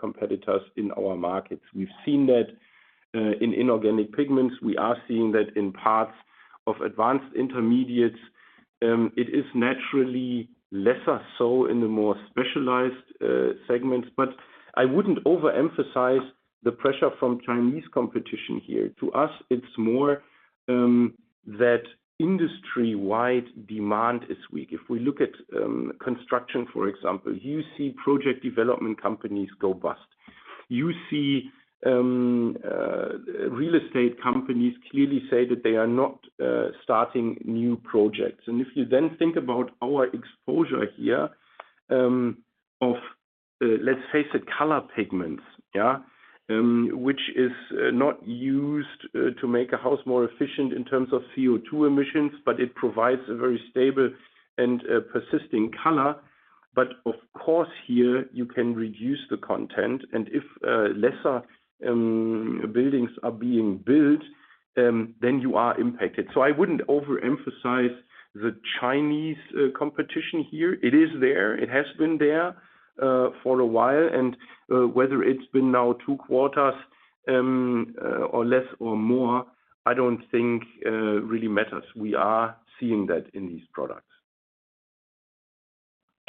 competitors in our markets. We've seen that in inorganic pigments. We are seeing that in parts of Advanced Intermediates. It is naturally lesser so in the more specialized segments, but I wouldn't overemphasize the pressure from Chinese competition here. To us, it's more that industry-wide demand is weak. If we look at construction, for example, you see project development companies go bust. You see real estate companies clearly say that they are not starting new projects. And if you then think about our exposure here of, let's face it, color pigments, yeah, which is not used to make a house more efficient in terms of CO2 emissions, but it provides a very stable and persisting color. But of course, here you can reduce the content, and if lesser buildings are being built, then you are impacted. So I wouldn't overemphasize the Chinese competition here. It is there. It has been there for a while, and whether it's been now 2 quarters or less or more, I don't think really matters. We are seeing that in these products.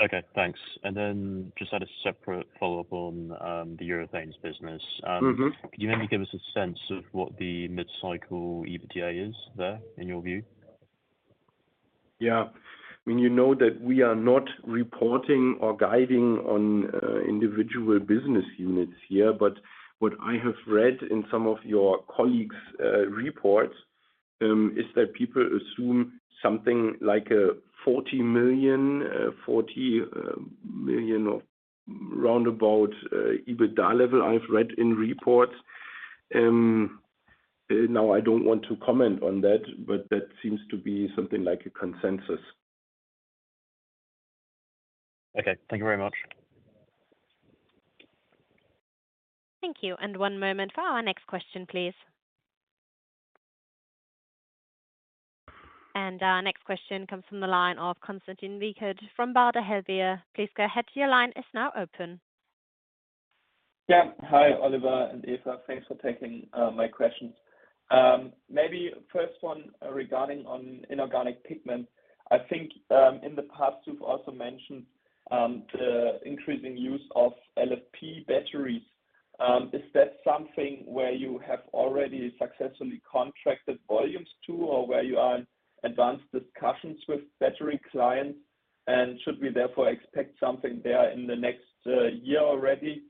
Okay, thanks. And then just had a separate follow-up on the urethanes business. Mm-hmm. Could you maybe give us a sense of what the mid-cycle EBITDA is there, in your view? Yeah. I mean, you know that we are not reporting or guiding on individual business units here, but what I have read in some of your colleagues' reports is that people assume something like a 40 million or roundabout EBITDA level I've read in reports. Now, I don't want to comment on that, but that seems to be something like a consensus. Okay. Thank you very much. Thank you. And one moment for our next question, please. And our next question comes from the line of Konstantin Wiechert from Baader Helvea. Please go ahead, your line is now open. Yeah. Hi, Oliver and Eva. Thanks for taking my questions. Maybe first one regarding inorganic pigment. I think, in the past, you've also mentioned the increasing use of LFP batteries. Is that something where you have already successfully contracted volumes to, or where you are in advanced discussions with battery clients? And should we therefore expect something there in the next year already?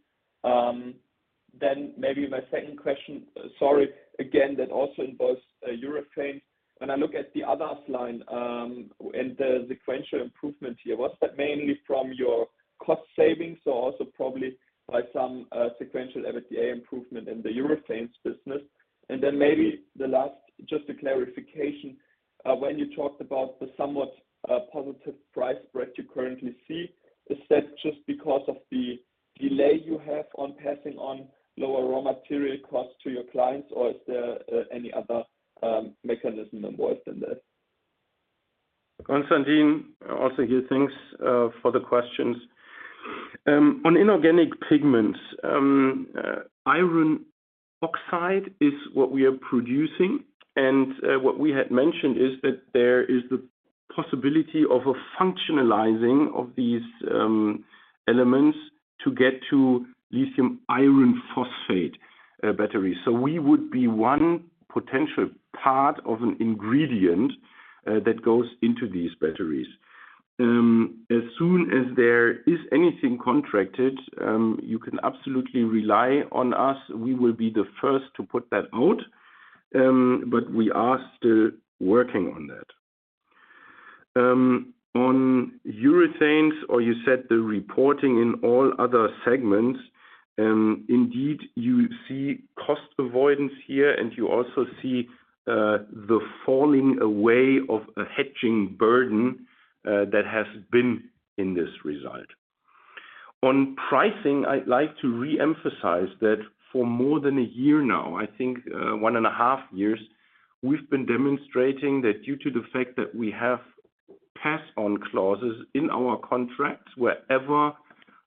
Then maybe my second question. Sorry, again, that also involves urethane. When I look at the others line, and the sequential improvement here, was that mainly from your cost savings or also probably by some sequential EBITDA improvement in the urethanes business?... And then maybe the last, just a clarification. When you talked about the somewhat positive price spread you currently see, is that just because of the delay you have on passing on lower raw material costs to your clients, or is there any other mechanism involved in that? Konstantin, also here, thanks for the questions. On inorganic pigments, iron oxide is what we are producing, and what we had mentioned is that there is the possibility of a functionalizing of these elements to get to lithium iron phosphate batteries. So we would be one potential part of an ingredient that goes into these batteries. As soon as there is anything contracted, you can absolutely rely on us. We will be the first to put that out, but we are still working on that. On urethanes, or you said the reporting in all other segments, indeed, you see cost avoidance here, and you also see the falling away of a hedging burden that has been in this result. On pricing, I'd like to reemphasize that for more than a year now, I think, one and a half years, we've been demonstrating that due to the fact that we have pass-on clauses in our contracts, wherever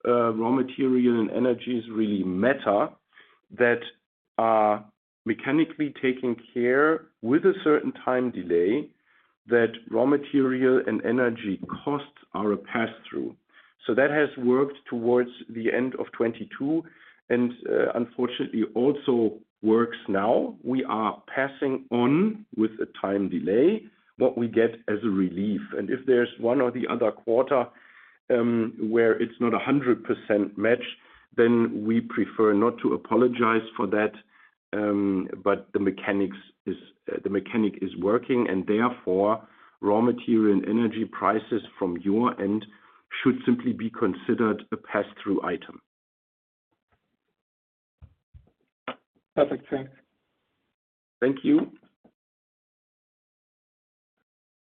raw material and energies really matter, that are mechanically taking care with a certain time delay, that raw material and energy costs are a pass-through. So that has worked towards the end of 2022, and unfortunately, also works now. We are passing on with a time delay what we get as a relief. And if there's one or the other quarter where it's not a 100% match, then we prefer not to apologize for that, but the mechanic is working, and therefore, raw material and energy prices from your end should simply be considered a pass-through item. Perfect. Thanks. Thank you.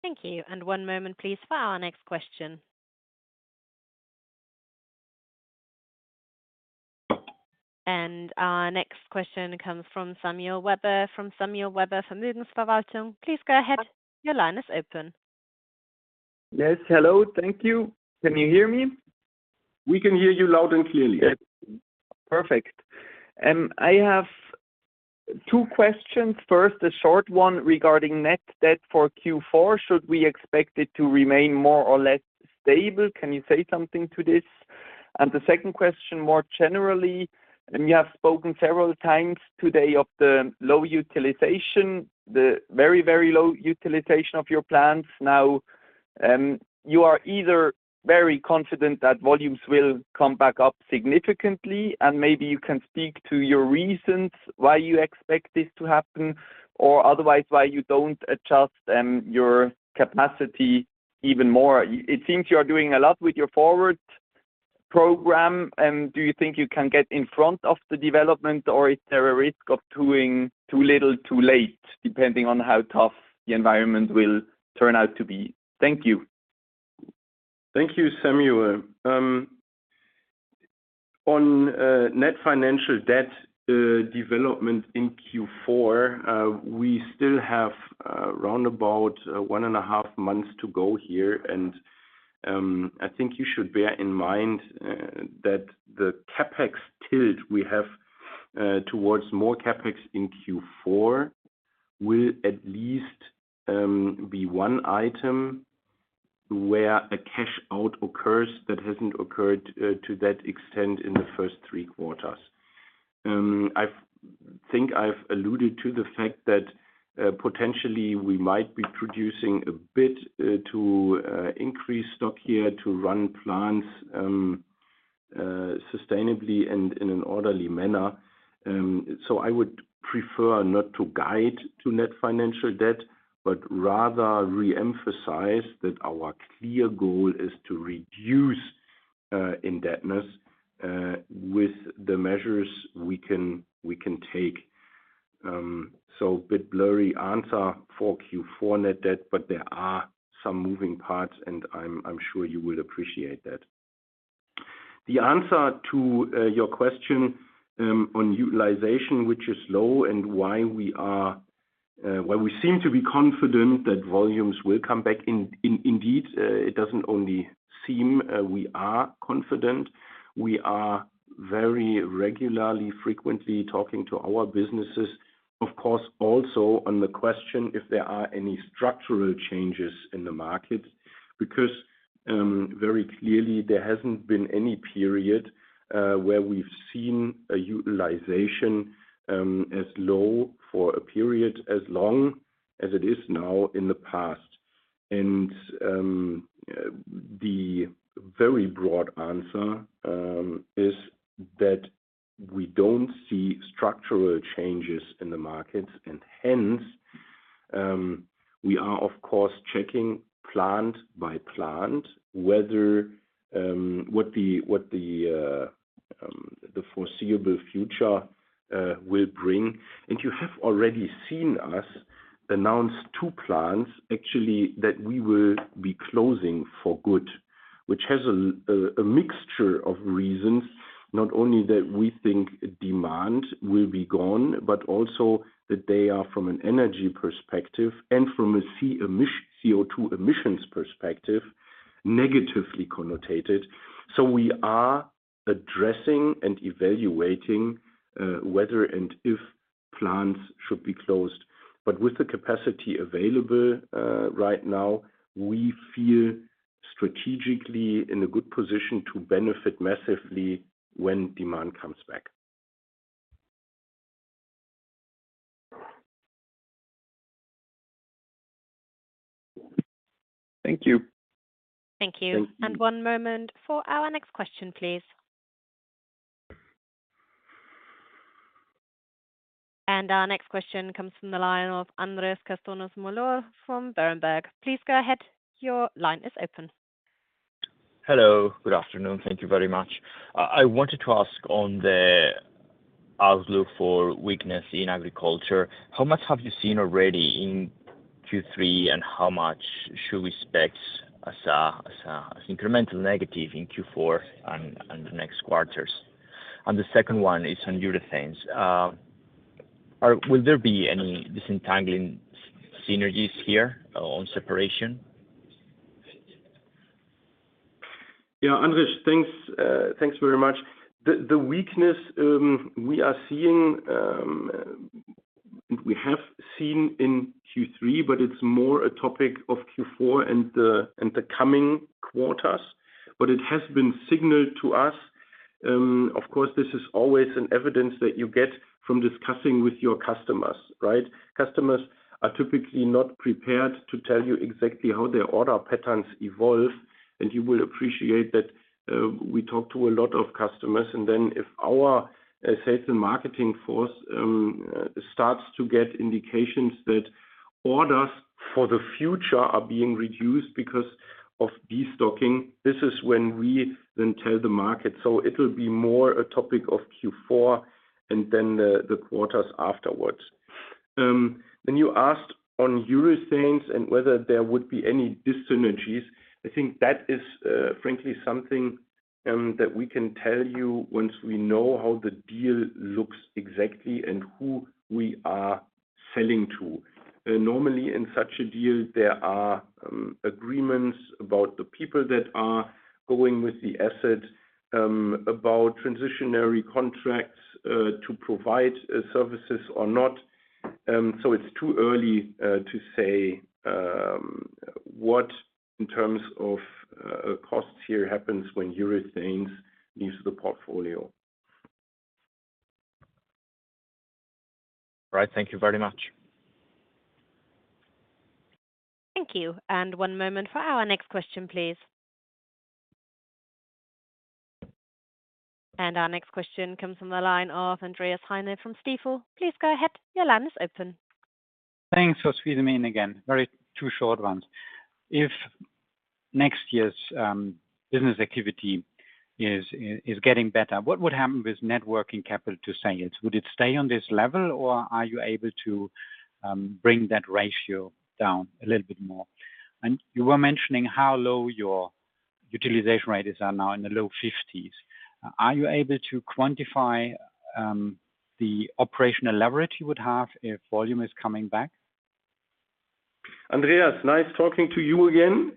Thank you. One moment, please, for our next question. Our next question comes from Samuel Weber. Please go ahead. Your line is open. Yes. Hello. Thank you. Can you hear me? We can hear you loud and clearly. Perfect. I have two questions. First, a short one regarding net debt for Q4. Should we expect it to remain more or less stable? Can you say something to this? And the second question, more generally, and you have spoken several times today of the low utilization, the very, very low utilization of your plants. Now, you are either very confident that volumes will come back up significantly, and maybe you can speak to your reasons why you expect this to happen, or otherwise, why you don't adjust your capacity even more. It seems you are doing a lot with your forward program, and do you think you can get in front of the development, or is there a risk of doing too little, too late, depending on how tough the environment will turn out to be? Thank you. Thank you, Samuel. On net financial debt development in Q4, we still have around about one and a half months to go here, and I think you should bear in mind that the CapEx tilt we have towards more CapEx in Q4 will at least be one item where a cash out occurs that hasn't occurred to that extent in the first three quarters. I think I've alluded to the fact that potentially we might be producing a bit to increase stock here, to run plants sustainably and in an orderly manner. So I would prefer not to guide to net financial debt, but rather reemphasize that our clear goal is to reduce indebtedness with the measures we can take. So a bit blurry answer for Q4 net debt, but there are some moving parts, and I'm sure you will appreciate that. The answer to your question on utilization, which is low and why we seem to be confident that volumes will come back. Indeed, it doesn't only seem; we are confident. We are very regularly, frequently talking to our businesses, of course, also on the question if there are any structural changes in the market, because very clearly, there hasn't been any period where we've seen a utilization as low for a period as long as it is now in the past. The very broad answer is that we don't see structural changes in the market, and hence-... We are, of course, checking plant by plant, whether what the foreseeable future will bring. And you have already seen us announce two plants, actually, that we will be closing for good, which has a mixture of reasons. Not only that we think demand will be gone, but also that they are from an energy perspective and from a CO₂ emissions perspective, negatively connoted. So we are addressing and evaluating whether and if plants should be closed. But with the capacity available right now, we feel strategically in a good position to benefit massively when demand comes back. Thank you. Thank you. Thank you. One moment for our next question, please. Our next question comes from the line of Andres Castanos-Mollor from Berenberg. Please go ahead. Your line is open. Hello, good afternoon. Thank you very much. I wanted to ask on the outlook for weakness in agriculture, how much have you seen already in Q3, and how much should we expect as an incremental negative in Q4 and the next quarters? And the second one is on urethanes. Will there be any disentangling synergies here on separation? Yeah, Andres, thanks, thanks very much. The weakness we are seeing we have seen in Q3, but it's more a topic of Q4 and the coming quarters, but it has been signaled to us. Of course, this is always an evidence that you get from discussing with your customers, right? Customers are typically not prepared to tell you exactly how their order patterns evolve, and you will appreciate that, we talk to a lot of customers, and then if our sales and marketing force starts to get indications that orders for the future are being reduced because of destocking, this is when we then tell the market. So it'll be more a topic of Q4 and then the quarters afterwards. Then you asked on urethanes and whether there would be any dis-synergies. I think that is, frankly, something that we can tell you once we know how the deal looks exactly and who we are selling to. Normally, in such a deal, there are agreements about the people that are going with the asset, about transitional contracts to provide services or not. So it's too early to say what in terms of costs here happens when urethanes leaves the portfolio. Right. Thank you very much. Thank you, and one moment for our next question, please. Our next question comes from the line of Andreas Heine from Stifel. Please go ahead. Your line is open. Thanks for squeezing me in again. Two short ones. If next year's business activity is getting better, what would happen with net working capital to sales? Would it stay on this level, or are you able to bring that ratio down a little bit more? And you were mentioning how low your utilization rates are now in the low 50s. Are you able to quantify the operational leverage you would have if volume is coming back? Andreas, nice talking to you again.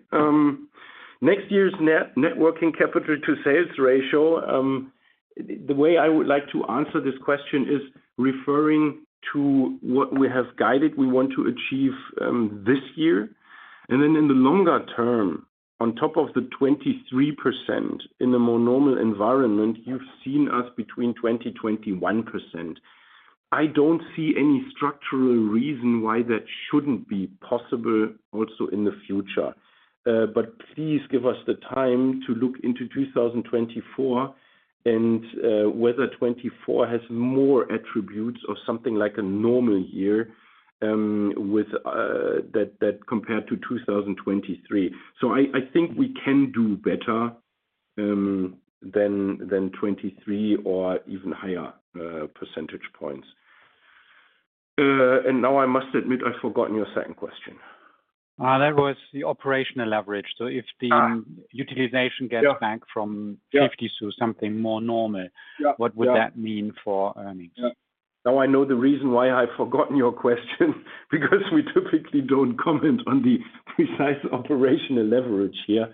Next year's net working capital to sales ratio, the way I would like to answer this question is referring to what we have guided we want to achieve, this year. And then in the longer term, on top of the 23% in a more normal environment, you've seen us between 20, 21%. I don't see any structural reason why that shouldn't be possible also in the future. But please give us the time to look into 2024 and, whether 24 has more attributes or something like a normal year, with that compared to 2023. So I think we can do better, than 23 or even higher percentage points. And now I must admit, I've forgotten your second question. That was the operational leverage. Ah. So if the utilization- Yeah. -gets back from- Yeah. -50 to something more normal Yeah, yeah. What would that mean for earnings? Yeah. Now I know the reason why I've forgotten your question, because we typically don't comment on the precise operational leverage here.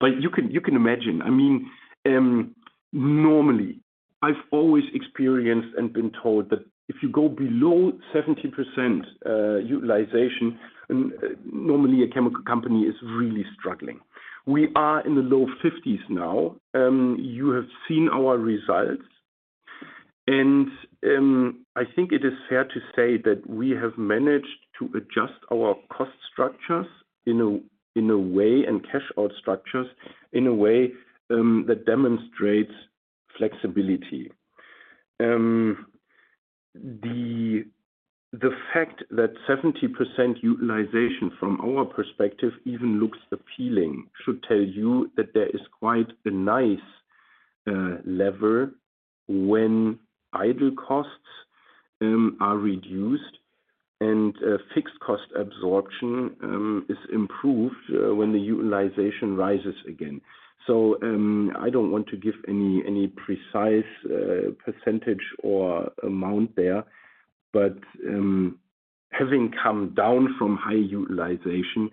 But you can imagine. I mean, normally, I've always experienced and been told that if you go below 70%, utilization, normally a chemical company is really struggling. We are in the low 50s now. You have seen our results, and I think it is fair to say that we have managed to adjust our cost structures in a way, and cash out structures in a way, that demonstrates flexibility. The fact that 70% utilization from our perspective even looks appealing should tell you that there is quite a nice lever when idle costs are reduced and fixed cost absorption is improved when the utilization rises again. So, I don't want to give any precise percentage or amount there, but, having come down from high utilization,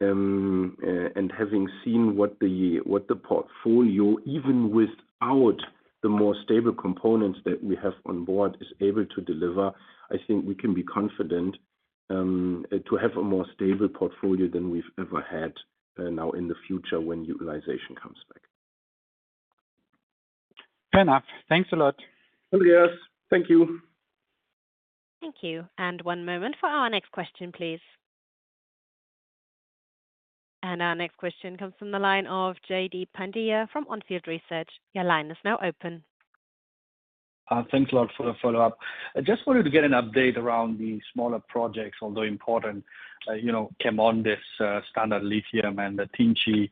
and having seen what the portfolio, even without the more stable components that we have on board, is able to deliver, I think we can be confident to have a more stable portfolio than we've ever had, now in the future, when utilization comes back. Fair enough. Thanks a lot. Yes. Thank you. Thank you. One moment for our next question, please. Our next question comes from the line of Jaideep Pandya from Onfield Research. Your line is now open. Thanks a lot for the follow-up. I just wanted to get an update around the smaller projects, although important, you know, CheMondis, Standard Lithium and the Tinci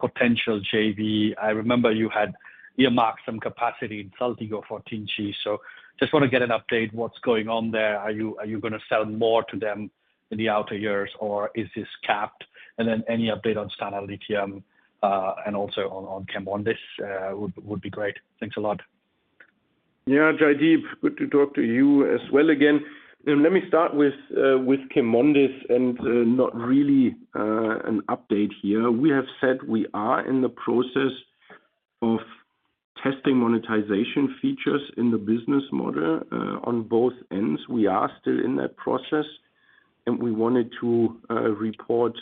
potential JV. I remember you had earmarked some capacity in Saltigo for Tinci, so just want to get an update. What's going on there? Are you gonna sell more to them in the outer years, or is this capped? And then any update on Standard Lithium, and also on CheMondis, would be great. Thanks a lot. Yeah, Jaideep, good to talk to you as well again. Let me start with CheMondis, and not really an update here. We have said we are in the process of testing monetization features in the business model on both ends. We are still in that process, and we wanted to report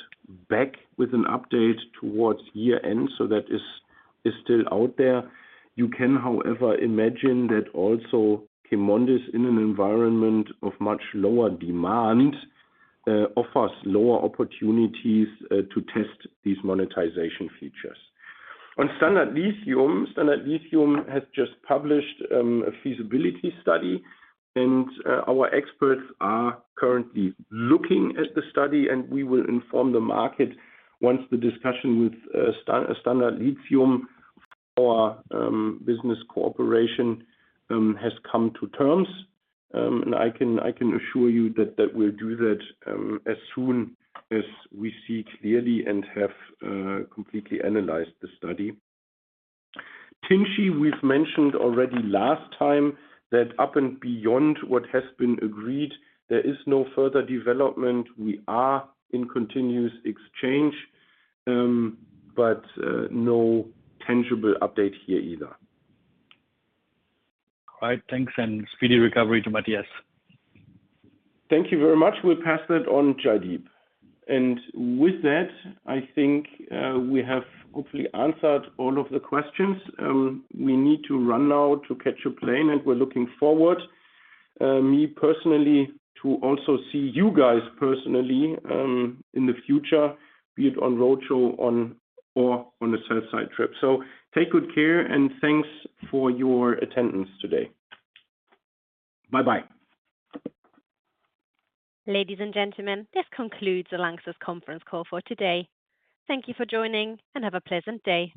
back with an update towards year end. So that is still out there. You can, however, imagine that also CheMondis, in an environment of much lower demand, offers lower opportunities to test these monetization features. On Standard Lithium, Standard Lithium has just published a feasibility study, and our experts are currently looking at the study, and we will inform the market once the discussion with Standard Lithium for business cooperation has come to terms. I can assure you that we'll do that as soon as we see clearly and have completely analyzed the study. Tinci, we've mentioned already last time that up and beyond what has been agreed, there is no further development. We are in continuous exchange, but no tangible update here either. All right, thanks and speedy recovery to Matthias. Thank you very much. We'll pass that on, Jaideep. And with that, I think, we have hopefully answered all of the questions. We need to run now to catch a plane, and we're looking forward, me personally, to also see you guys personally, in the future, be it on roadshow, on or on the sell-side trip. So take good care, and thanks for your attendance today. Bye-bye. Ladies and gentlemen, this concludes the LANXESS conference call for today. Thank you for joining, and have a pleasant day.